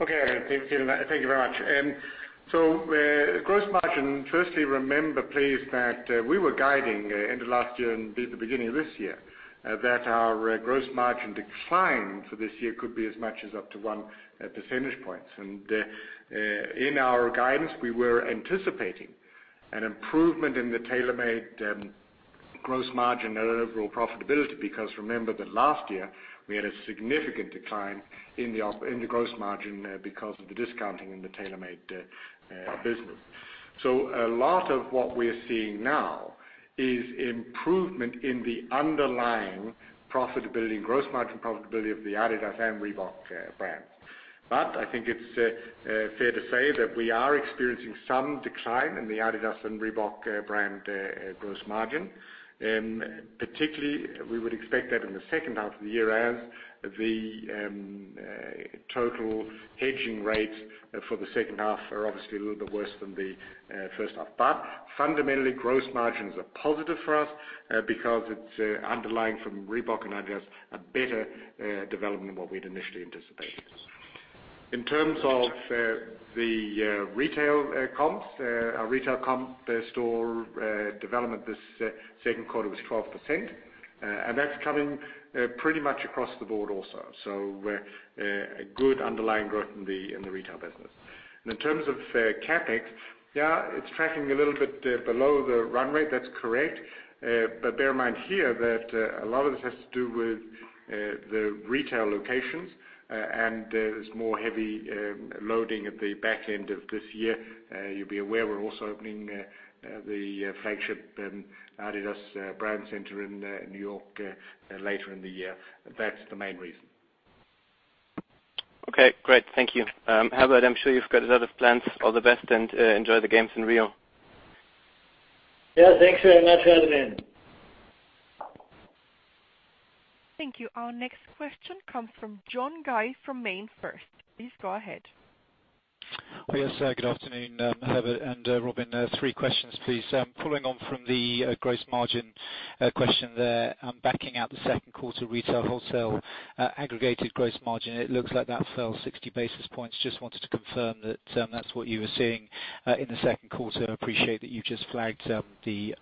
Okay, Adrian. Thank you very much. Gross margin. Firstly, remember please that we were guiding end of last year and the beginning of this year that our gross margin decline for this year could be as much as up to one percentage point. In our guidance, we were anticipating an improvement in the TaylorMade gross margin and overall profitability because remember that last year we had a significant decline in the gross margin because of the discounting in the TaylorMade business. A lot of what we're seeing now is improvement in the underlying profitability and gross margin profitability of the adidas and Reebok brands. I think it's fair to say that we are experiencing some decline in the adidas and Reebok brand gross margin. Particularly, we would expect that in the second half of the year as the total hedging rates for the second half are obviously a little bit worse than the first half. Fundamentally, gross margins are positive for us because it's underlying from Reebok and adidas a better development than what we had initially anticipated. In terms of the retail comps, our retail comp store development this second quarter was 12%, and that's coming pretty much across the board also. A good underlying growth in the retail business. In terms of CapEx, yeah, it's tracking a little bit below the run rate. That's correct. Bear in mind here that a lot of this has to do with the retail locations, and there's more heavy loading at the back end of this year. You'll be aware we're also opening the flagship adidas brand center in New York later in the year. That's the main reason. Okay, great. Thank you. Herbert, I'm sure you've got a lot of plans. All the best and enjoy the games in Rio. Yeah, thanks very much, Adrian. Thank you. Our next question comes from John Guy from MainFirst. Please go ahead. Yes. Good afternoon, Herbert and Robin. Three questions, please. Following on from the gross margin question there, backing out the second quarter retail wholesale aggregated gross margin, it looks like that fell 60 basis points. Just wanted to confirm that that's what you were seeing in the second quarter. I appreciate that you've just flagged the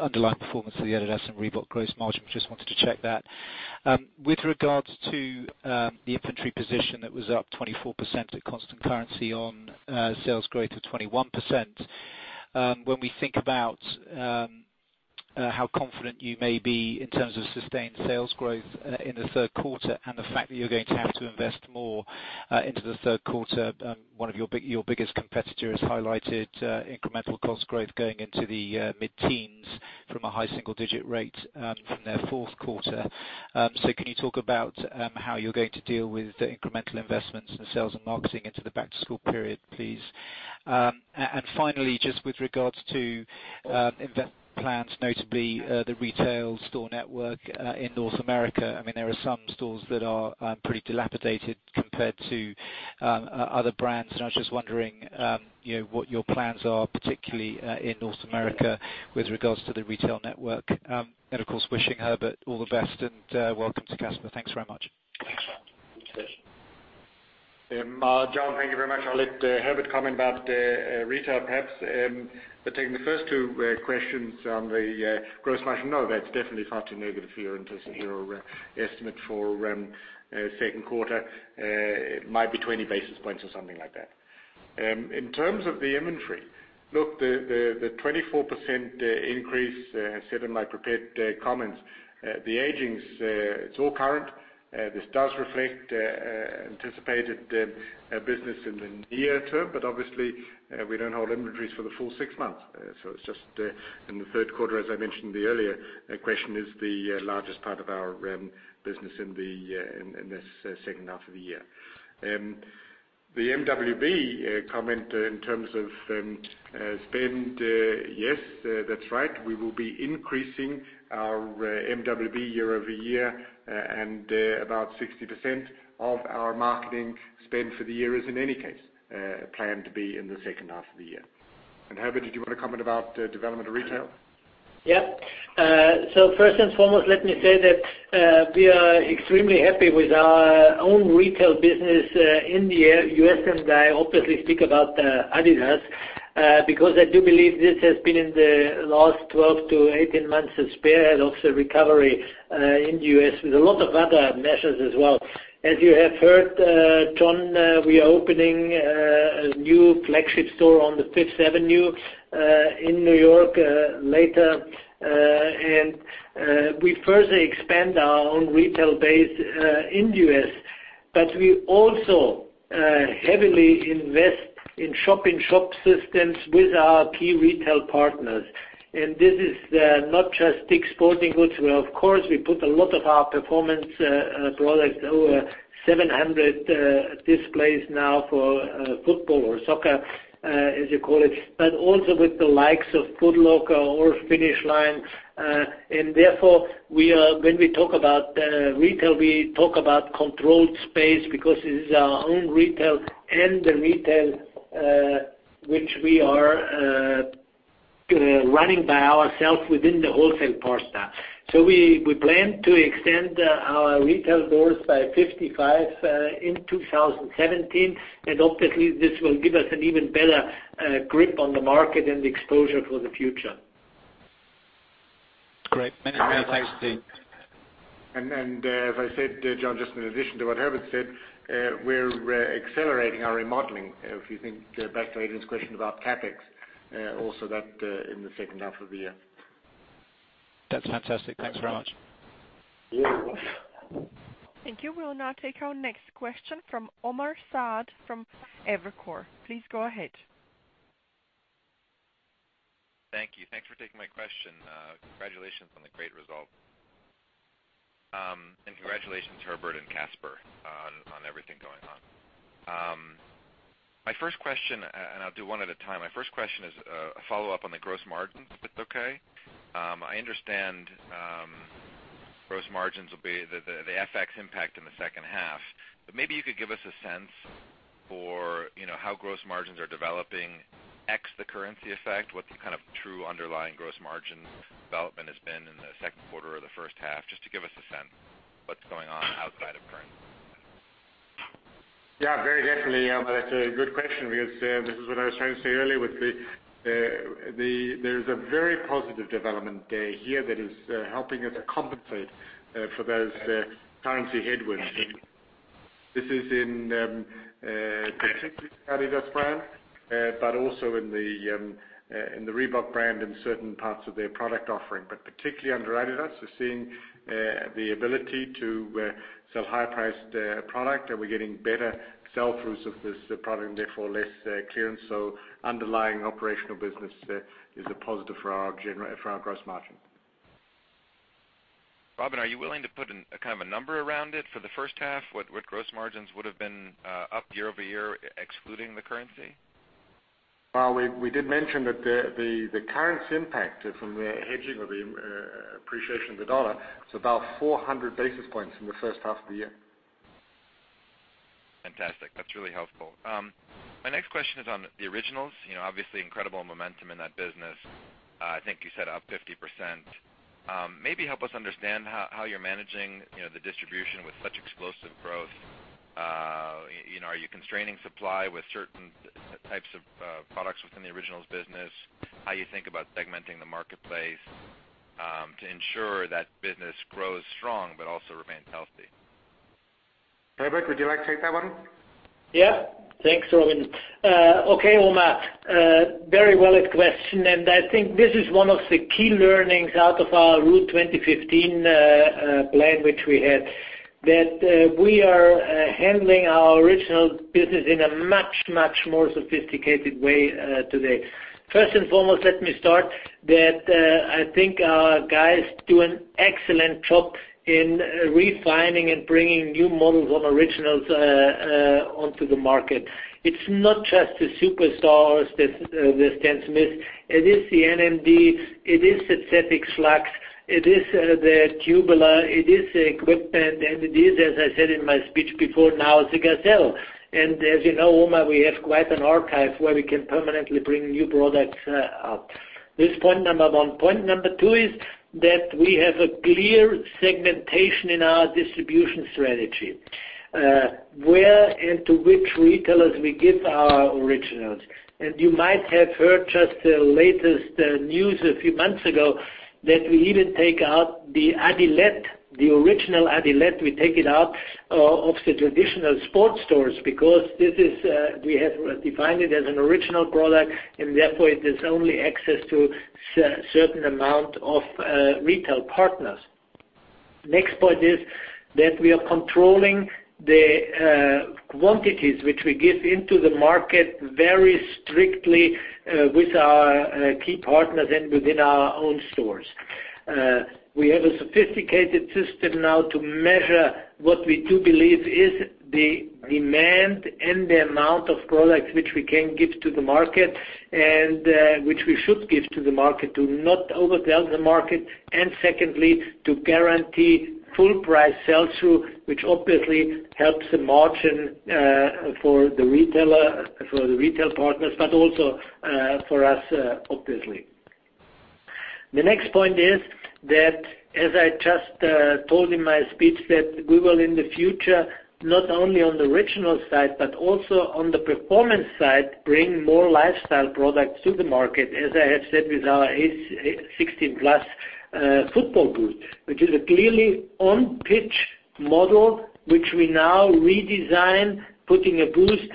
underlying performance of the adidas and Reebok gross margin. Just wanted to check that. With regards to the inventory position that was up 24% at constant currency on sales growth of 21%. When we think about how confident you may be in terms of sustained sales growth in the third quarter and the fact that you're going to have to invest more into the third quarter, one of your biggest competitor has highlighted incremental cost growth going into the mid-teens from a high single-digit rate from their fourth quarter. Can you talk about how you're going to deal with the incremental investments in sales and marketing into the back-to-school period, please? Finally, just with regards to investment plans, notably the retail store network in North America. There are some stores that are pretty dilapidated compared to other brands, and I was just wondering what your plans are, particularly in North America with regards to the retail network. Of course, wishing Herbert all the best and welcome to Kasper. Thanks very much. Thanks. John, thank you very much. I'll let Herbert comment about retail, perhaps. Taking the first two questions on the gross margin, no, that's definitely far too negative here in terms of your estimate for second quarter. It might be 20 basis points or something like that. In terms of the inventory, look, the 24% increase, as said in my prepared comments, the aging, it's all current. This does reflect anticipated business in the near term. Obviously, we don't hold inventories for the full six months. It's just in the third quarter, as I mentioned in the earlier question, is the largest part of our business in this second half of the year. The MWB comment in terms of spend, yes, that's right. We will be increasing our MWB year-over-year. About 60% of our marketing spend for the year is in any case planned to be in the second half of the year. Herbert, did you want to comment about development of retail? Yep. First and foremost, let me say that we are extremely happy with our own retail business in the U.S. I obviously speak about adidas, because I do believe this has been in the last 12 to 18 months, the spearhead of the recovery in the U.S. with a lot of other measures as well. As you have heard, John, we are opening a new flagship store on the Fifth Avenue in New York later. We further expand our own retail base in the U.S., but we also heavily invest in shop-in-shop systems with our key retail partners. This is not just Dick's Sporting Goods, where, of course, we put a lot of our performance products, over 700 displays now for football or soccer as you call it, but also with the likes of Foot Locker or Finish Line. Therefore, when we talk about retail, we talk about controlled space because it is our own retail and the retail which we are running by ourselves within the wholesale portion. We plan to extend our retail doors by 55 in 2017, obviously this will give us an even better grip on the market and exposure for the future. Great. Many thanks. As I said, John, just in addition to what Herbert said, we're accelerating our remodeling. If you think back to Adrian's question about CapEx, also that in the second half of the year. That's fantastic. Thanks very much. You're welcome. Thank you. We will now take our next question from Omar Saad from Evercore. Please go ahead. Thank you. Thanks for taking my question. Congratulations on the great result. Congratulations, Herbert and Kasper, on everything going on. My first question, and I'll do one at a time, my first question is a follow-up on the gross margins, if okay. I understand gross margins will be the FX impact in the second half, but maybe you could give us a sense for how gross margins are developing ex the currency effect. What the kind of true underlying gross margin development has been in the second quarter or the first half, just to give us a sense what's going on outside of currency. Yeah, very definitely, Omar. That's a good question because this is what I was trying to say earlier with there's a very positive development here that is helping us compensate for those currency headwinds. This is in particularly the adidas brand but also in the Reebok brand in certain parts of their product offering. Particularly under adidas, we're seeing the ability to sell higher-priced product, and we're getting better sell-throughs of this product and therefore less clearance. Underlying operational business is a positive for our gross margin. Robin, are you willing to put a number around it for the first half? What gross margins would've been up year-over-year excluding the currency? Well, we did mention that the currency impact from the hedging of the appreciation of the US dollar is about 400 basis points in the first half of the year. Fantastic. That's really helpful. My next question is on the Originals. Obviously, incredible momentum in that business. I think you said up 50%. Maybe help us understand how you are managing the distribution with such explosive growth. Are you constraining supply with certain types of products within the Originals business? How you think about segmenting the marketplace to ensure that business grows strong but also remains healthy? Herbert, would you like to take that one? Yeah. Thanks, Robin. Okay, Omar. Very well asked question, and I think this is one of the key learnings out of our Route 2015 plan which we had, that we are handling our Originals business in a much, much more sophisticated way today. First and foremost, let me start that I think our guys do an excellent job in refining and bringing new models of Originals onto the market. It is not just the Superstar or the Stan Smith. It is the NMD. It is the [Slavic Slax]. It is the Tubular. It is Equipment. It is, as I said in my speech before now, the Gazelle. As you know, Omar, we have quite an archive where we can permanently bring new products up. This point 1. Point 2 is that we have a clear segmentation in our distribution strategy. Where and to which retailers we give our Originals. You might have heard just the latest news a few months ago that we even take out the Adilette, the original Adilette, we take it out of the traditional sports stores because we have defined it as an original product, and therefore it has only access to certain amount of retail partners. Next point is that we are controlling the quantities which we give into the market very strictly with our key partners and within our own stores. We have a sophisticated system now to measure what we do believe is the demand and the amount of products which we can give to the market, and which we should give to the market to not over-deliver the market. Secondly, to guarantee full price sell-through, which obviously helps the margin for the retail partners, but also for us, obviously. The next point is that as I just told in my speech, that we will, in the future, not only on the regional side but also on the performance side, bring more lifestyle products to the market, as I have said, with our ACE 16+ football boot. Which is a clearly on-pitch model which we now redesign, putting a Boost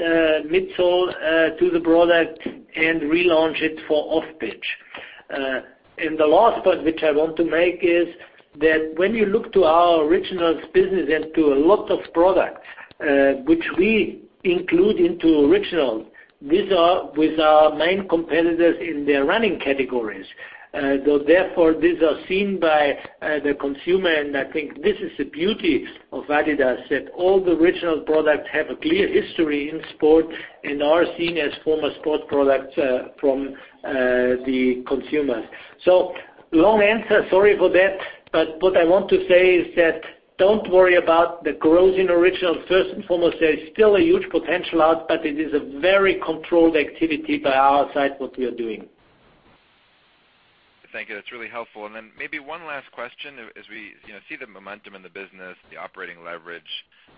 midsole to the product and relaunch it for off-pitch. The last point which I want to make is that when you look to our Originals business and to a lot of products which we include into Originals with our main competitors in their running categories. Therefore, these are seen by the consumer, and I think this is the beauty of adidas, that all the Originals product have a clear history in sport and are seen as former sport products from the consumers. Long answer, sorry for that, what I want to say is that don't worry about the growth in Originals. First and foremost, there is still a huge potential out, it is a very controlled activity by our side what we are doing. Thank you. That's really helpful. Then maybe one last question. As we see the momentum in the business, the operating leverage,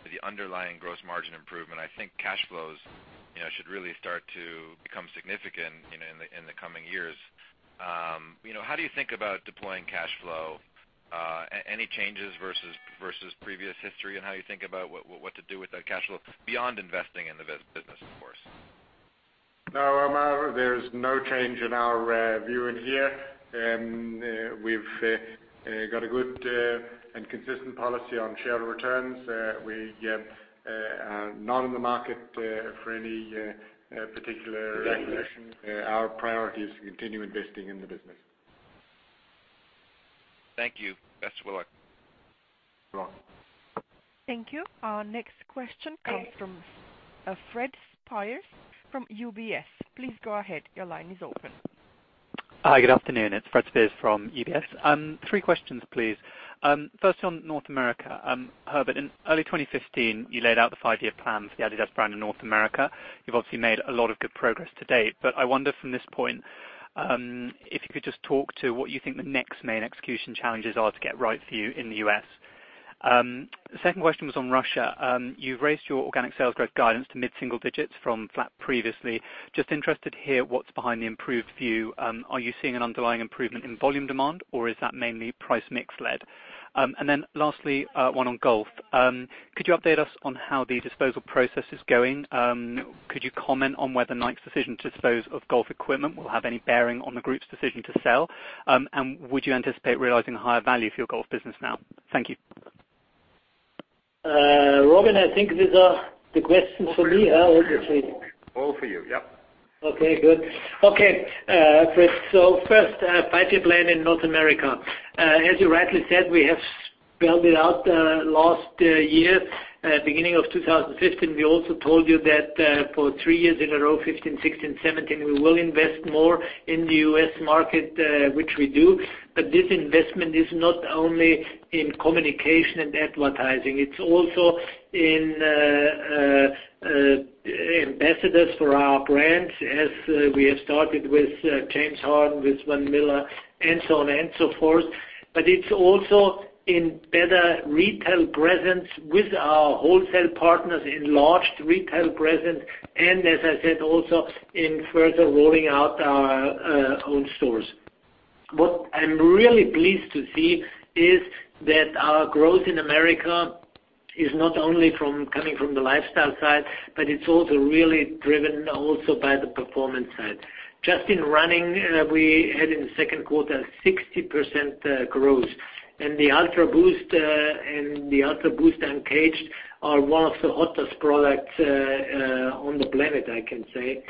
the underlying gross margin improvement, I think cash flows should really start to become significant in the coming years. How do you think about deploying cash flow? Any changes versus previous history and how you think about what to do with that cash flow beyond investing in the business, of course? No, Omar, there is no change in our view in here. We've got a good and consistent policy on share returns. We are not in the market for any particular reparations. Our priority is to continue investing in the business. Thank you. Best of luck. You're welcome. Thank you. Our next question comes from Fred Speirs from UBS. Please go ahead. Your line is open. Hi, good afternoon. It's Fred Speirs from UBS. Three questions, please. First, on North America. Herbert, in early 2015, you laid out the five-year plan for the adidas brand in North America. You've obviously made a lot of good progress to date, but I wonder from this point, if you could just talk to what you think the next main execution challenges are to get right for you in the U.S. Second question was on Russia. You've raised your organic sales growth guidance to mid-single digits from flat previously. Just interested to hear what's behind the improved view. Are you seeing an underlying improvement in volume demand, or is that mainly price mix-led? And then lastly, one on golf. Could you update us on how the disposal process is going? Could you comment on whether Nike's decision to dispose of golf equipment will have any bearing on the group's decision to sell? Would you anticipate realizing a higher value for your golf business now? Thank you. Robin, I think these are the questions for me, obviously. All for you. Yep. Okay, good. Okay, Fred. First, five-year plan in North America. As you rightly said, we have spelled it out last year. Beginning of 2015, we also told you that for three years in a row, 2015, 2016, 2017, we will invest more in the U.S. market, which we do. This investment is not only in communication and advertising, it is also in ambassadors for our brands, as we have started with James Harden, with Von Miller, and so on and so forth. It is also in better retail presence with our wholesale partners, enlarged retail presence, and as I said, also in further rolling out our own stores. What I am really pleased to see is that our growth in America is not only coming from the lifestyle side, but it is also really driven also by the performance side. Just in running, we had in the second quarter 60% growth. The UltraBOOST and the UltraBOOST Uncaged are one of the hottest products on the planet, I can say.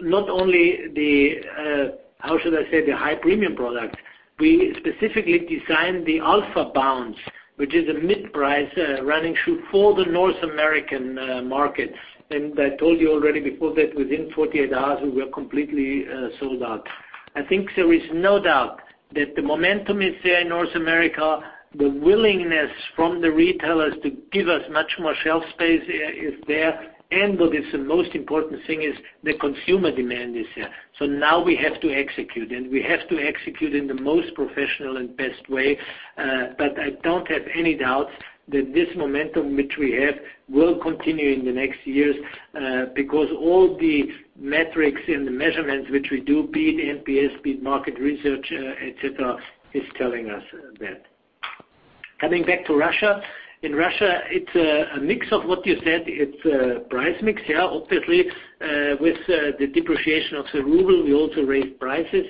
Not only the high premium product. We specifically designed the AlphaBOUNCE, which is a mid-price running shoe for the North American market. I told you already before that within 48 hours, we were completely sold out. I think there is no doubt that the momentum is there in North America. The willingness from the retailers to give us much more shelf space is there. What is the most important thing is the consumer demand is here. Now we have to execute, and we have to execute in the most professional and best way. I don't have any doubt that this momentum which we have will continue in the next years, because all the metrics and the measurements which we do, be it NPS, be it market research, et cetera, is telling us that. Coming back to Russia. In Russia, it's a mix of what you said. It's a price mix here. Obviously, with the depreciation of the ruble, we also raised prices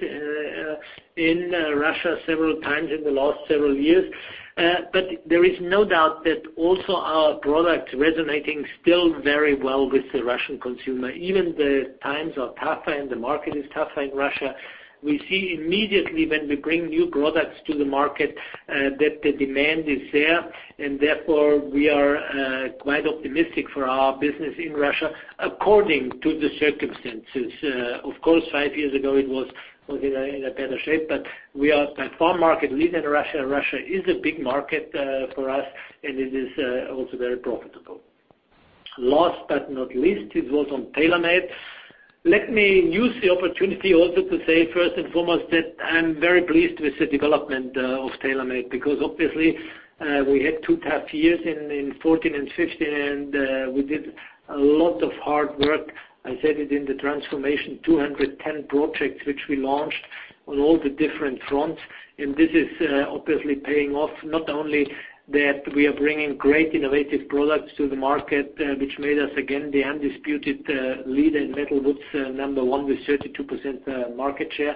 in Russia several times in the last several years. There is no doubt that also our product resonating still very well with the Russian consumer. Even the times are tougher and the market is tougher in Russia, we see immediately when we bring new products to the market that the demand is there, and therefore we are quite optimistic for our business in Russia according to the circumstances. Of course, five years ago it was in a better shape, but we are by far market leader in Russia, and Russia is a big market for us, and it is also very profitable. Last but not least, it was on TaylorMade. Let me use the opportunity also to say, first and foremost, that I'm very pleased with the development of TaylorMade, because obviously we had two tough years in 2014 and 2015, and we did a lot of hard work. I said it in the transformation, 210 projects which we launched on all the different fronts, and this is obviously paying off. Not only that we are bringing great innovative products to the market, which made us again the undisputed leader in metalwoods, number one with 32% market share.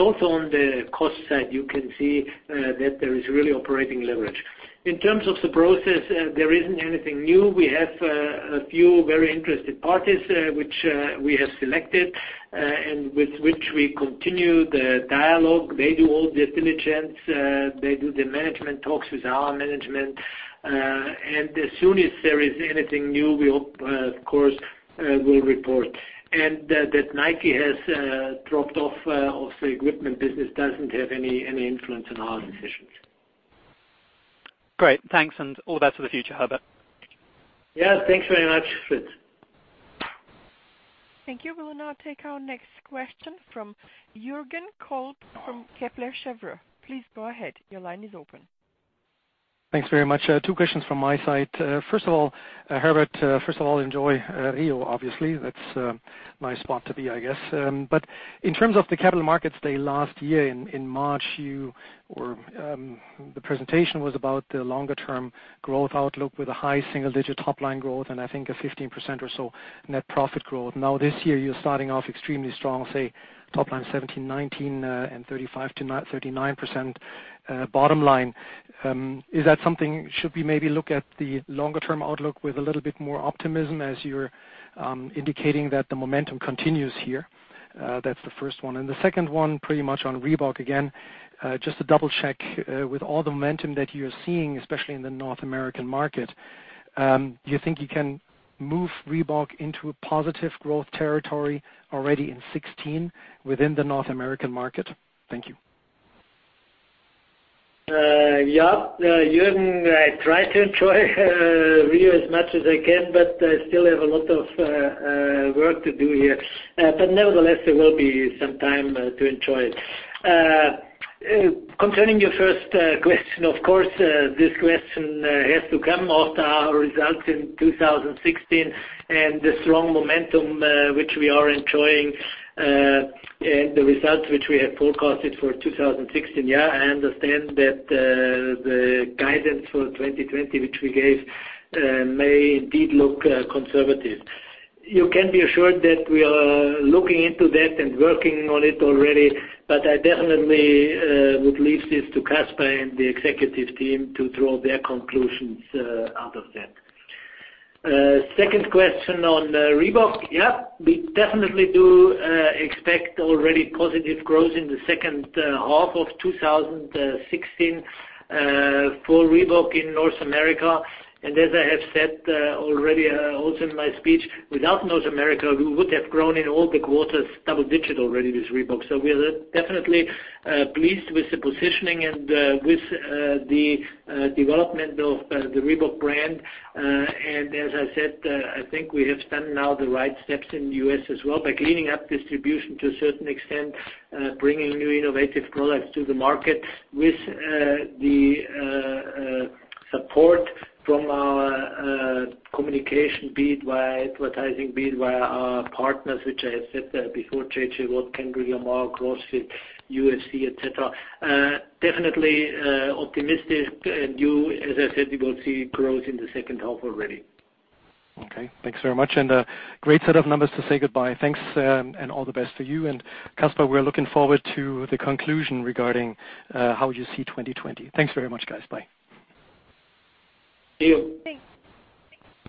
Also on the cost side, you can see that there is really operating leverage. In terms of the process, there isn't anything new. We have a few very interested parties which we have selected, and with which we continue the dialogue. They do all due diligence. They do the management talks with our management. As soon as there is anything new, we hope, of course, we'll report. That Nike has dropped off of the equipment business doesn't have any influence on our decisions. Great. Thanks. All the best for the future, Herbert. Yeah. Thanks very much, Fred. Thank you. We'll now take our next question from Jürgen Kolb from Kepler Cheuvreux. Please go ahead. Your line is open. Thanks very much. Two questions from my side. Herbert, first of all, enjoy Rio, obviously. That's a nice spot to be, I guess. In terms of the capital markets day last year in March, the presentation was about the longer-term growth outlook with a high single-digit top-line growth, I think a 15% or so net profit growth. Now, this year, you're starting off extremely strong, say top line 17%, 19%, and 35%-39% bottom line. Is that something should we maybe look at the longer-term outlook with a little bit more optimism as you're indicating that the momentum continues here? That's the first one. The second one, pretty much on Reebok again. Just to double-check, with all the momentum that you are seeing, especially in the North American market, do you think you can move Reebok into a positive growth territory already in 2016 within the North American market? Thank you. Yeah. Jürgen, I try to enjoy Rio as much as I can, but I still have a lot of work to do here. Nevertheless, there will be some time to enjoy it. Concerning your first question, of course, this question has to come after our results in 2016 and the strong momentum which we are enjoying, and the results which we have forecasted for 2016. Yeah, I understand that the guidance for 2020 which we gave may indeed look conservative. You can be assured that we are looking into that and working on it already, but I definitely would leave this to Kasper and the executive team to draw their conclusions out of that. Second question on Reebok. Yeah. We definitely do expect already positive growth in the second half of 2016 for Reebok in North America. As I have said already also in my speech, without North America, we would have grown in all the quarters double-digit already with Reebok. We are definitely pleased with the positioning and with the development of the Reebok brand. As I said, I think we have done now the right steps in the U.S. as well by cleaning up distribution to a certain extent, bringing new innovative products to the market with the support from our communication, be it via advertising, be it via our partners, which I have said before, J.J. Watt, Kendrick Lamar, CrossFit, UFC, et cetera. Definitely optimistic and you, as I said, you will see growth in the second half already. Okay. Thanks very much. A great set of numbers to say goodbye. Thanks, and all the best for you. Kasper, we are looking forward to the conclusion regarding how you see 2020. Thanks very much, guys. Bye. See you. Thanks.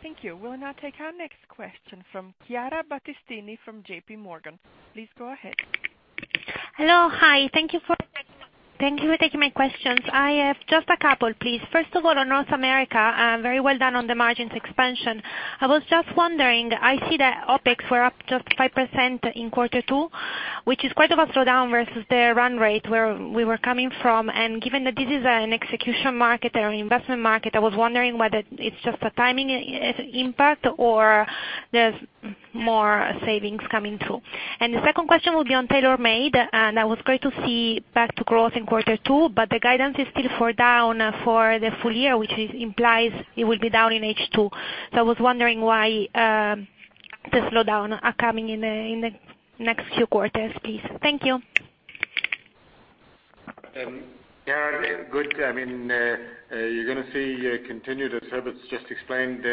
Thank you. We'll now take our next question from Chiara Battistini from J.P. Morgan. Please go ahead. Hello. Hi. Thank you for taking my questions. I have just a couple, please. First of all, on North America, very well done on the margins expansion. I was just wondering, I see that OpEx were up just 5% in quarter two, which is quite of a slowdown versus the run rate where we were coming from. Given that this is an execution market or an investment market, I was wondering whether it's just a timing impact or there's more savings coming through. The second question will be on TaylorMade, and I was great to see back to growth in quarter two, but the guidance is still for down for the full year, which implies it will be down in H2. I was wondering the slowdown are coming in the next few quarters, please. Thank you. Chiara, good. You're going to see, as Herbert's just explained,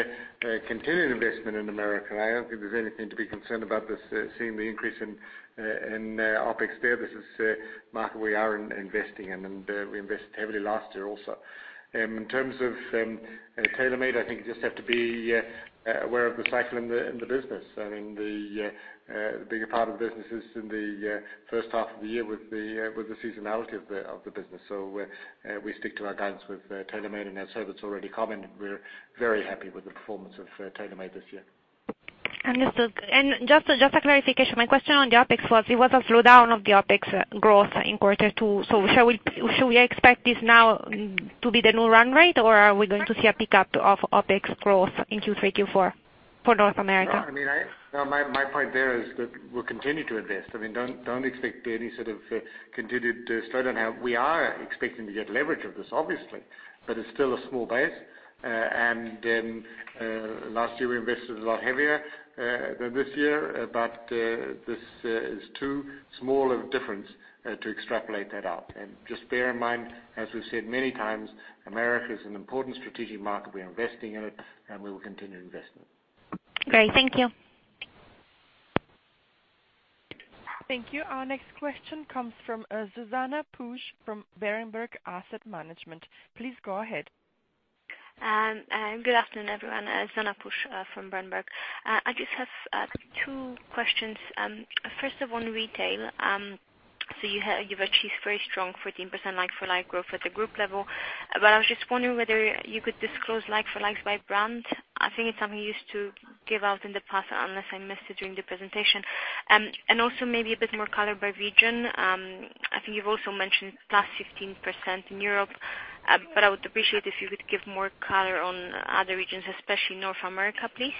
continued investment in America. I don't think there's anything to be concerned about seeing the increase in OpEx there. This is a market we are investing in, and we invested heavily last year also. In terms of TaylorMade, I think you just have to be aware of the cycle in the business. The bigger part of the business is in the first half of the year with the seasonality of the business. We stick to our guidance with TaylorMade, and as Herbert's already commented, we're very happy with the performance of TaylorMade this year. Just a clarification. My question on the OpEx was, it was a slowdown of the OpEx growth in quarter two. Should we expect this now to be the new run rate, or are we going to see a pickup of OpEx growth in Q3, Q4 for North America? No, my point there is that we'll continue to invest. Don't expect any sort of continued slowdown. We are expecting to get leverage of this, obviously, but it's still a small base. Last year, we invested a lot heavier than this year, but this is too small of a difference to extrapolate that out. Just bear in mind, as we've said many times, America is an important strategic market. We're investing in it, and we will continue to invest in it. Great. Thank you. Thank you. Our next question comes from Zuzanna Pusz from Berenberg Asset Management. Please go ahead. Good afternoon, everyone. Zuzanna Pusz from Berenberg. I just have two questions. First, on retail. You've achieved very strong 14% like-for-like growth at the group level. I was just wondering whether you could disclose like-for-likes by brand. I think it's something you used to give out in the past, unless I missed it during the presentation. Maybe a bit more color by region. I think you've also mentioned plus 15% in Europe. I would appreciate if you could give more color on other regions, especially North America, please.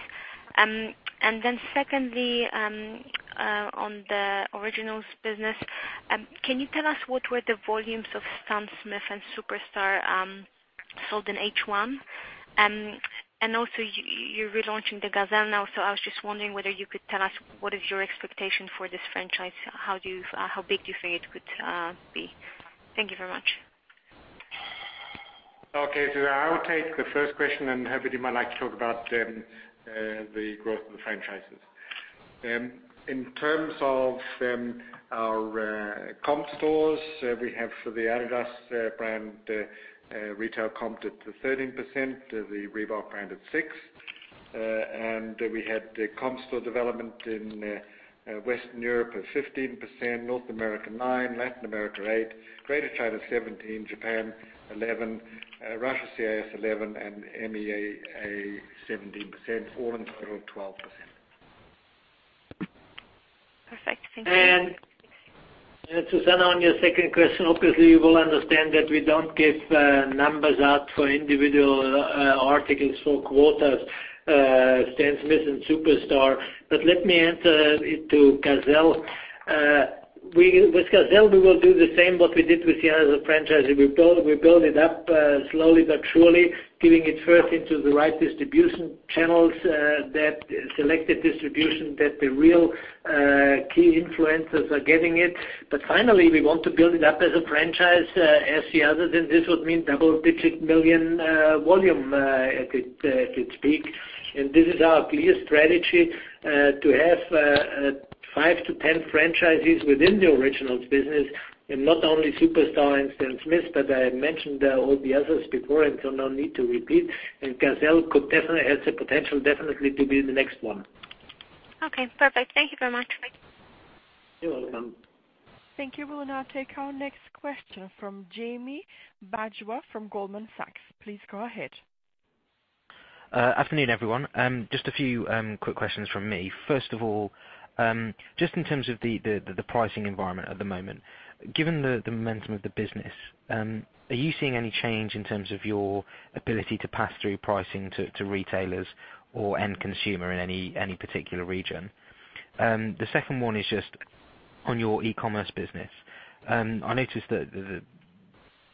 Secondly, on the Originals business, can you tell us what were the volumes of Stan Smith and Superstar sold in H1? You're relaunching the Gazelle now, I was just wondering whether you could tell us what is your expectation for this franchise? How big do you think it could be? Thank you very much. Okay. I will take the first question, Herbert, you might like to talk about the growth of the franchises. In terms of our comp stores, we have for the adidas brand retail comped at 13%, the Reebok brand at 6%. We had comp store development in Western Europe of 15%, North America 9%, Latin America 8%, Greater China 17%, Japan 11%, Russia CIS 11%, MEA 17%, all in total 12%. Perfect. Thank you. Zuzanna, on your second question, obviously, you will understand that we don't give numbers out for individual articles for quarters, Stan Smith and Superstar. Let me answer it to Gazelle. With Gazelle, we will do the same what we did with the other franchises. We build it up slowly but surely, getting it first into the right distribution channels, that selected distribution that the real key influencers are getting it. Finally, we want to build it up as a franchise as the others, and this would mean double-digit million volume at its peak. This is our clear strategy to have 5 to 10 franchises within the Originals business in not only Superstar and Stan Smith, but I mentioned all the others before, and so no need to repeat. Gazelle definitely has the potential definitely to be the next one. Okay, perfect. Thank you very much. You're welcome. Thank you. We will now take our next question from Jamie Bajwa from Goldman Sachs. Please go ahead. Afternoon, everyone. Just a few quick questions from me. First of all, just in terms of the pricing environment at the moment, given the momentum of the business, are you seeing any change in terms of your ability to pass through pricing to retailers or end consumer in any particular region? The second one is just on your e-commerce business. I noticed that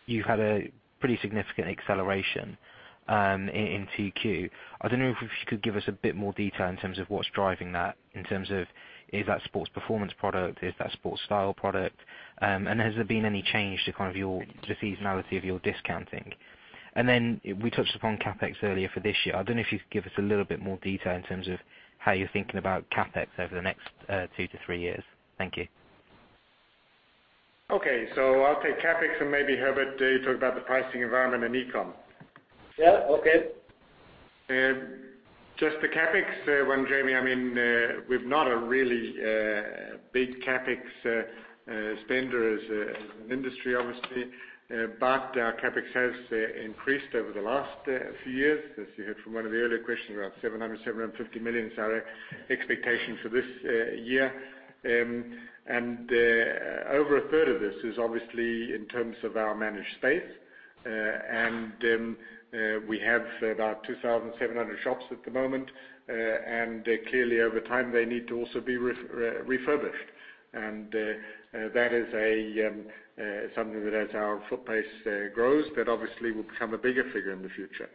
you had a pretty significant acceleration in 2Q. I don't know if you could give us a bit more detail in terms of what's driving that in terms of, is that sports performance product, is that sports style product, and has there been any change to kind of the seasonality of your discounting? We touched upon CapEx earlier for this year. I don't know if you could give us a little bit more detail in terms of how you're thinking about CapEx over the next two to three years. Thank you. Okay. I'll take CapEx and maybe Herbert, you talk about the pricing environment and e-com. Yeah. Okay. Just the CapEx one, Jamie, we're not a really big CapEx spender as an industry, obviously. Our CapEx has increased over the last few years. As you heard from one of the earlier questions, around 700 million-750 million is our expectation for this year. Over a third of this is obviously in terms of our managed space. We have about 2,700 shops at the moment, and clearly over time, they need to also be refurbished. That is something that as our footpace grows, that obviously will become a bigger figure in the future.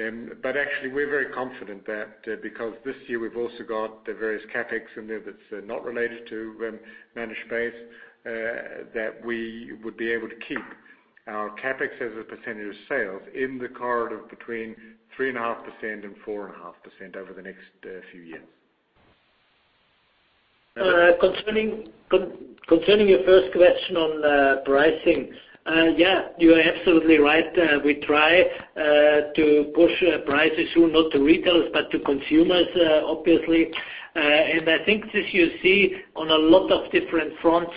Actually, we're very confident that because this year we've also got the various CapEx in there that's not related to managed space, that we would be able to keep our CapEx as a percentage of sales in the corridor between 3.5%-4.5% over the next few years. Concerning your first question on pricing. Yeah, you are absolutely right. We try to push prices through, not to retailers, but to consumers, obviously. I think this you see on a lot of different fronts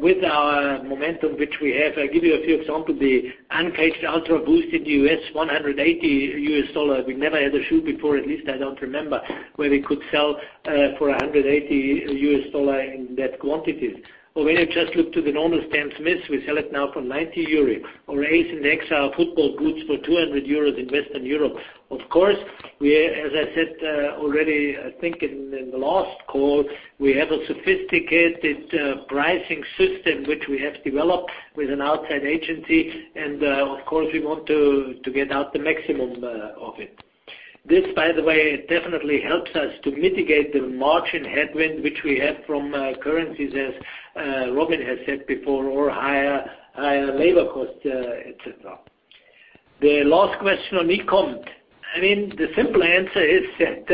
with our momentum, which we have. I give you a few examples. The UltraBOOST Uncaged in the U.S., $180. We never had a shoe before, at least I don't remember, where we could sell for $180 in that quantity. Or when you just look to the normal Stan Smiths, we sell it now for 90 euros. Or ACE and X football boots for 200 euros in Western Europe. Of course, as I said already, I think in the last call, we have a sophisticated pricing system which we have developed with an outside agency. Of course, we want to get out the maximum of it. This, by the way, definitely helps us to mitigate the margin headwind which we have from currencies, as Robin has said before, or higher labor costs, et cetera. The last question on eCom. The simple answer is that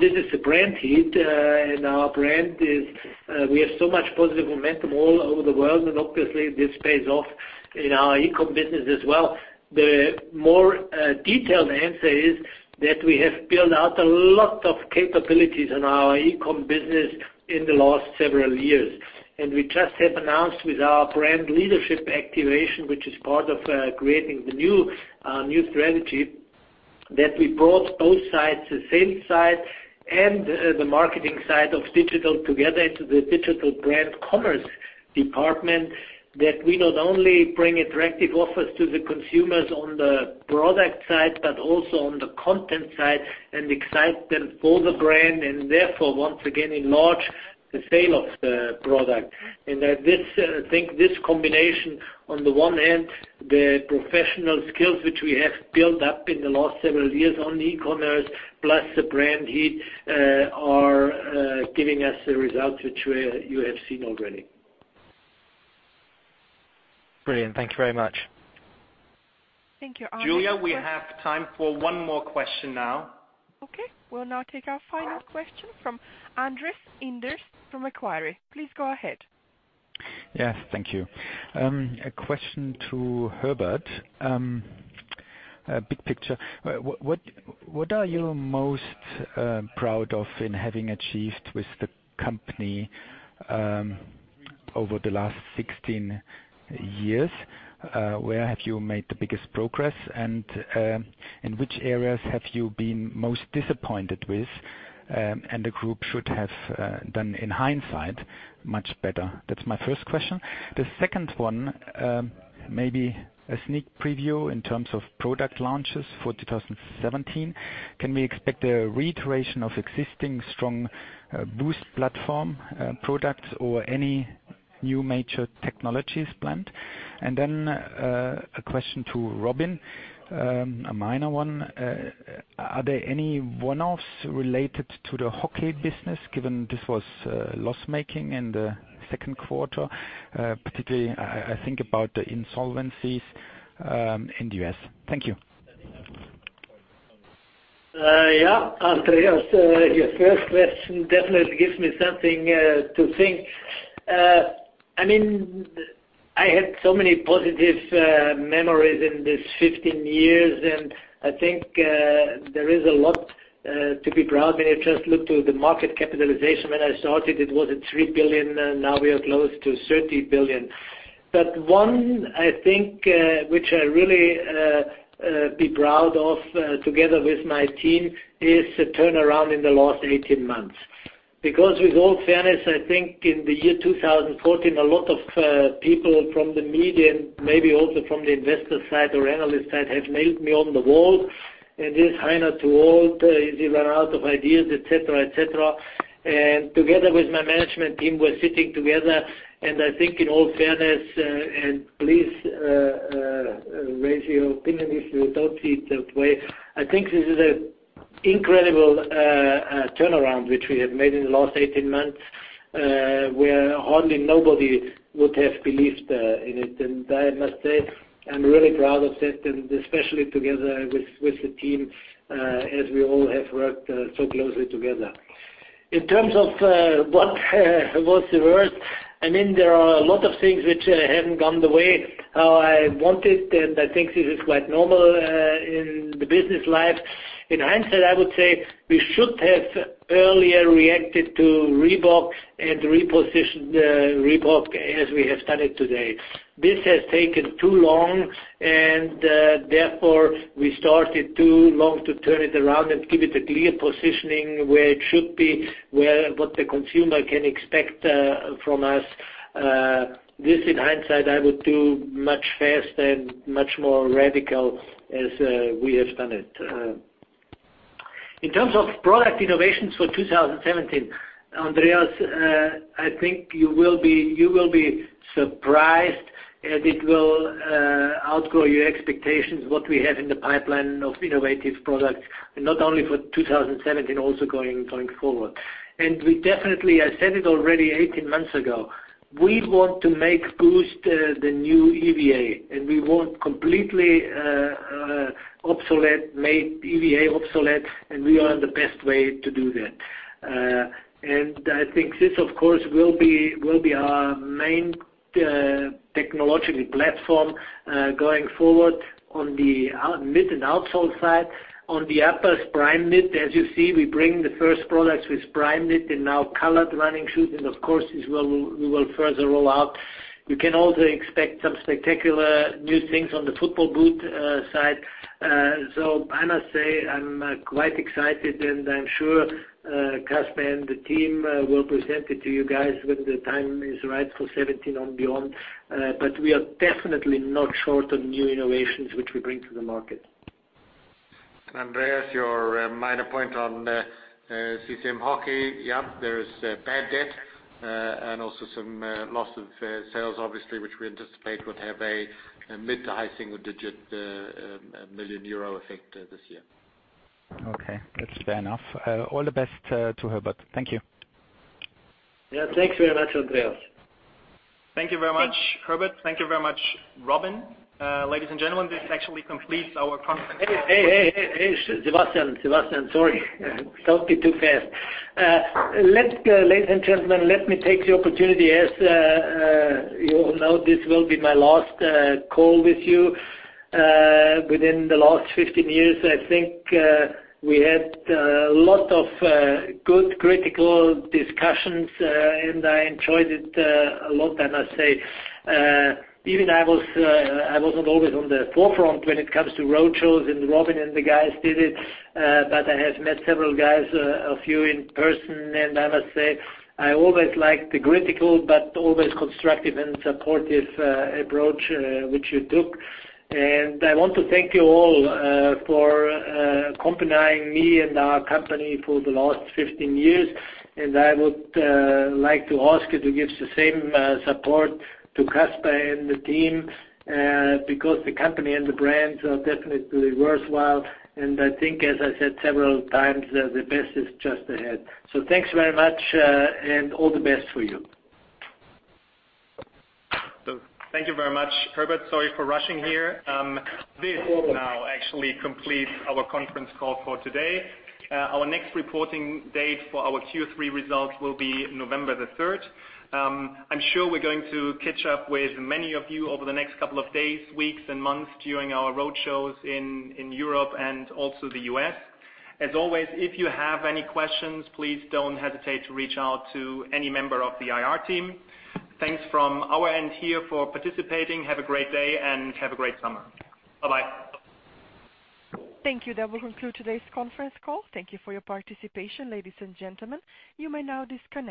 this is a brand heat, and we have so much positive momentum all over the world, and obviously this pays off in our eCom business as well. The more detailed answer is that we have built out a lot of capabilities in our eCom business in the last several years. We just have announced with our brand leadership activation, which is part of Creating the New strategy, that we brought both sides, the sales side and the marketing side of digital together into the digital brand commerce department, that we not only bring attractive offers to the consumers on the product side but also on the content side and excite them for the brand and therefore, once again, enlarge the sale of the product. I think this combination, on the one hand, the professional skills which we have built up in the last several years on e-commerce, plus the brand heat, are giving us the results which you have seen already. Brilliant. Thank you very much. Thank you. Julia, we have time for one more question now. Okay. We will now take our final question from Andreas Enders from Equinet. Please go ahead. Yes. Thank you. A question to Herbert. Big picture? What are you most proud of in having achieved with the company over the last 16 years? Where have you made the biggest progress, and in which areas have you been most disappointed with, and the group should have done in hindsight, much better? That's my first question. The second one, maybe a sneak preview in terms of product launches for 2017. Can we expect a reiteration of existing strong Boost platform products or any new major technologies planned? A question to Robin, a minor one. Are there any one-offs related to the Hockey business, given this was loss-making in the second quarter? Particularly, I think about the insolvencies in the U.S. Thank you. Yeah, Andreas. Your first question definitely gives me something to think. I have so many positive memories in these 15 years, and I think there is a lot to be proud. When you just look to the market capitalization. When I started, it was at 3 billion, now we are close to 30 billion. One, I think, which I really be proud of together with my team is the turnaround in the last 18 months. Because with all fairness, I think in the year 2014, a lot of people from the media and maybe also from the investor side or analyst side had nailed me on the wall. This, "Hainer is too old, he ran out of ideas," et cetera. Together with my management team, we're sitting together. I think in all fairness, and please raise your opinion if you don't see it that way. I think this is an incredible turnaround which we have made in the last 18 months, where hardly nobody would have believed in it. I must say, I'm really proud of that, and especially together with the team, as we all have worked so closely together. In terms of what was the worst, there are a lot of things which haven't gone the way how I wanted, and I think this is quite normal in the business life. In hindsight, I would say we should have earlier reacted to Reebok and repositioned Reebok as we have started today. This has taken too long. Therefore, we started too long to turn it around and give it a clear positioning where it should be, what the consumer can expect from us. This, in hindsight, I would do much faster and much more radical as we have done it. In terms of product innovations for 2017, Andreas, I think you will be surprised, and it will outgrow your expectations what we have in the pipeline of innovative products, not only for 2017, also going forward. We definitely, I said it already 18 months ago, we want to make Boost the new EVA, and we want completely obsolete, make EVA obsolete, and we are on the best way to do that. I think this, of course, will be our main technological platform going forward on the mid and out sole side. On the uppers Primeknit, as you see, we bring the first products with Primeknit and now colored running shoes, and of course, this we will further roll out. You can also expect some spectacular new things on the football boot side. I must say I'm quite excited, and I'm sure Kasper and the team will present it to you guys when the time is right for 2017 and beyond. We are definitely not short on new innovations which we bring to the market. Andreas, your minor point on CCM Hockey. There is bad debt and also some loss of sales, obviously, which we anticipate would have a mid to high single-digit million EUR effect this year. That's fair enough. All the best to Herbert. Thank you. Thanks very much, Andreas. Thank you very much, Herbert. Thank you very much, Robin. Ladies and gentlemen, this actually completes our conference call. Hey, Sebastian. Sorry. Don't be too fast. Ladies and gentlemen, let me take the opportunity. As you all know, this will be my last call with you. Within the last 15 years, I think we had a lot of good critical discussions. I enjoyed it a lot, I must say. Even I wasn't always on the forefront when it comes to road shows, and Robin and the guys did it. I have met several guys, a few in person, and I must say I always liked the critical but always constructive and supportive approach which you took. I want to thank you all for accompanying me and our company for the last 15 years. I would like to ask you to give the same support to Kasper and the team because the company and the brands are definitely worthwhile. I think, as I said several times, the best is just ahead. Thanks very much, and all the best for you. Thank you very much, Herbert. Sorry for rushing here. This now actually completes our conference call for today. Our next reporting date for our Q3 results will be November 3rd. I'm sure we're going to catch up with many of you over the next couple of days, weeks, and months during our road shows in Europe and also the U.S. As always, if you have any questions, please don't hesitate to reach out to any member of the IR team. Thanks from our end here for participating. Have a great day and have a great summer. Bye-bye. Thank you. That will conclude today's conference call. Thank you for your participation, ladies and gentlemen. You may now disconnect.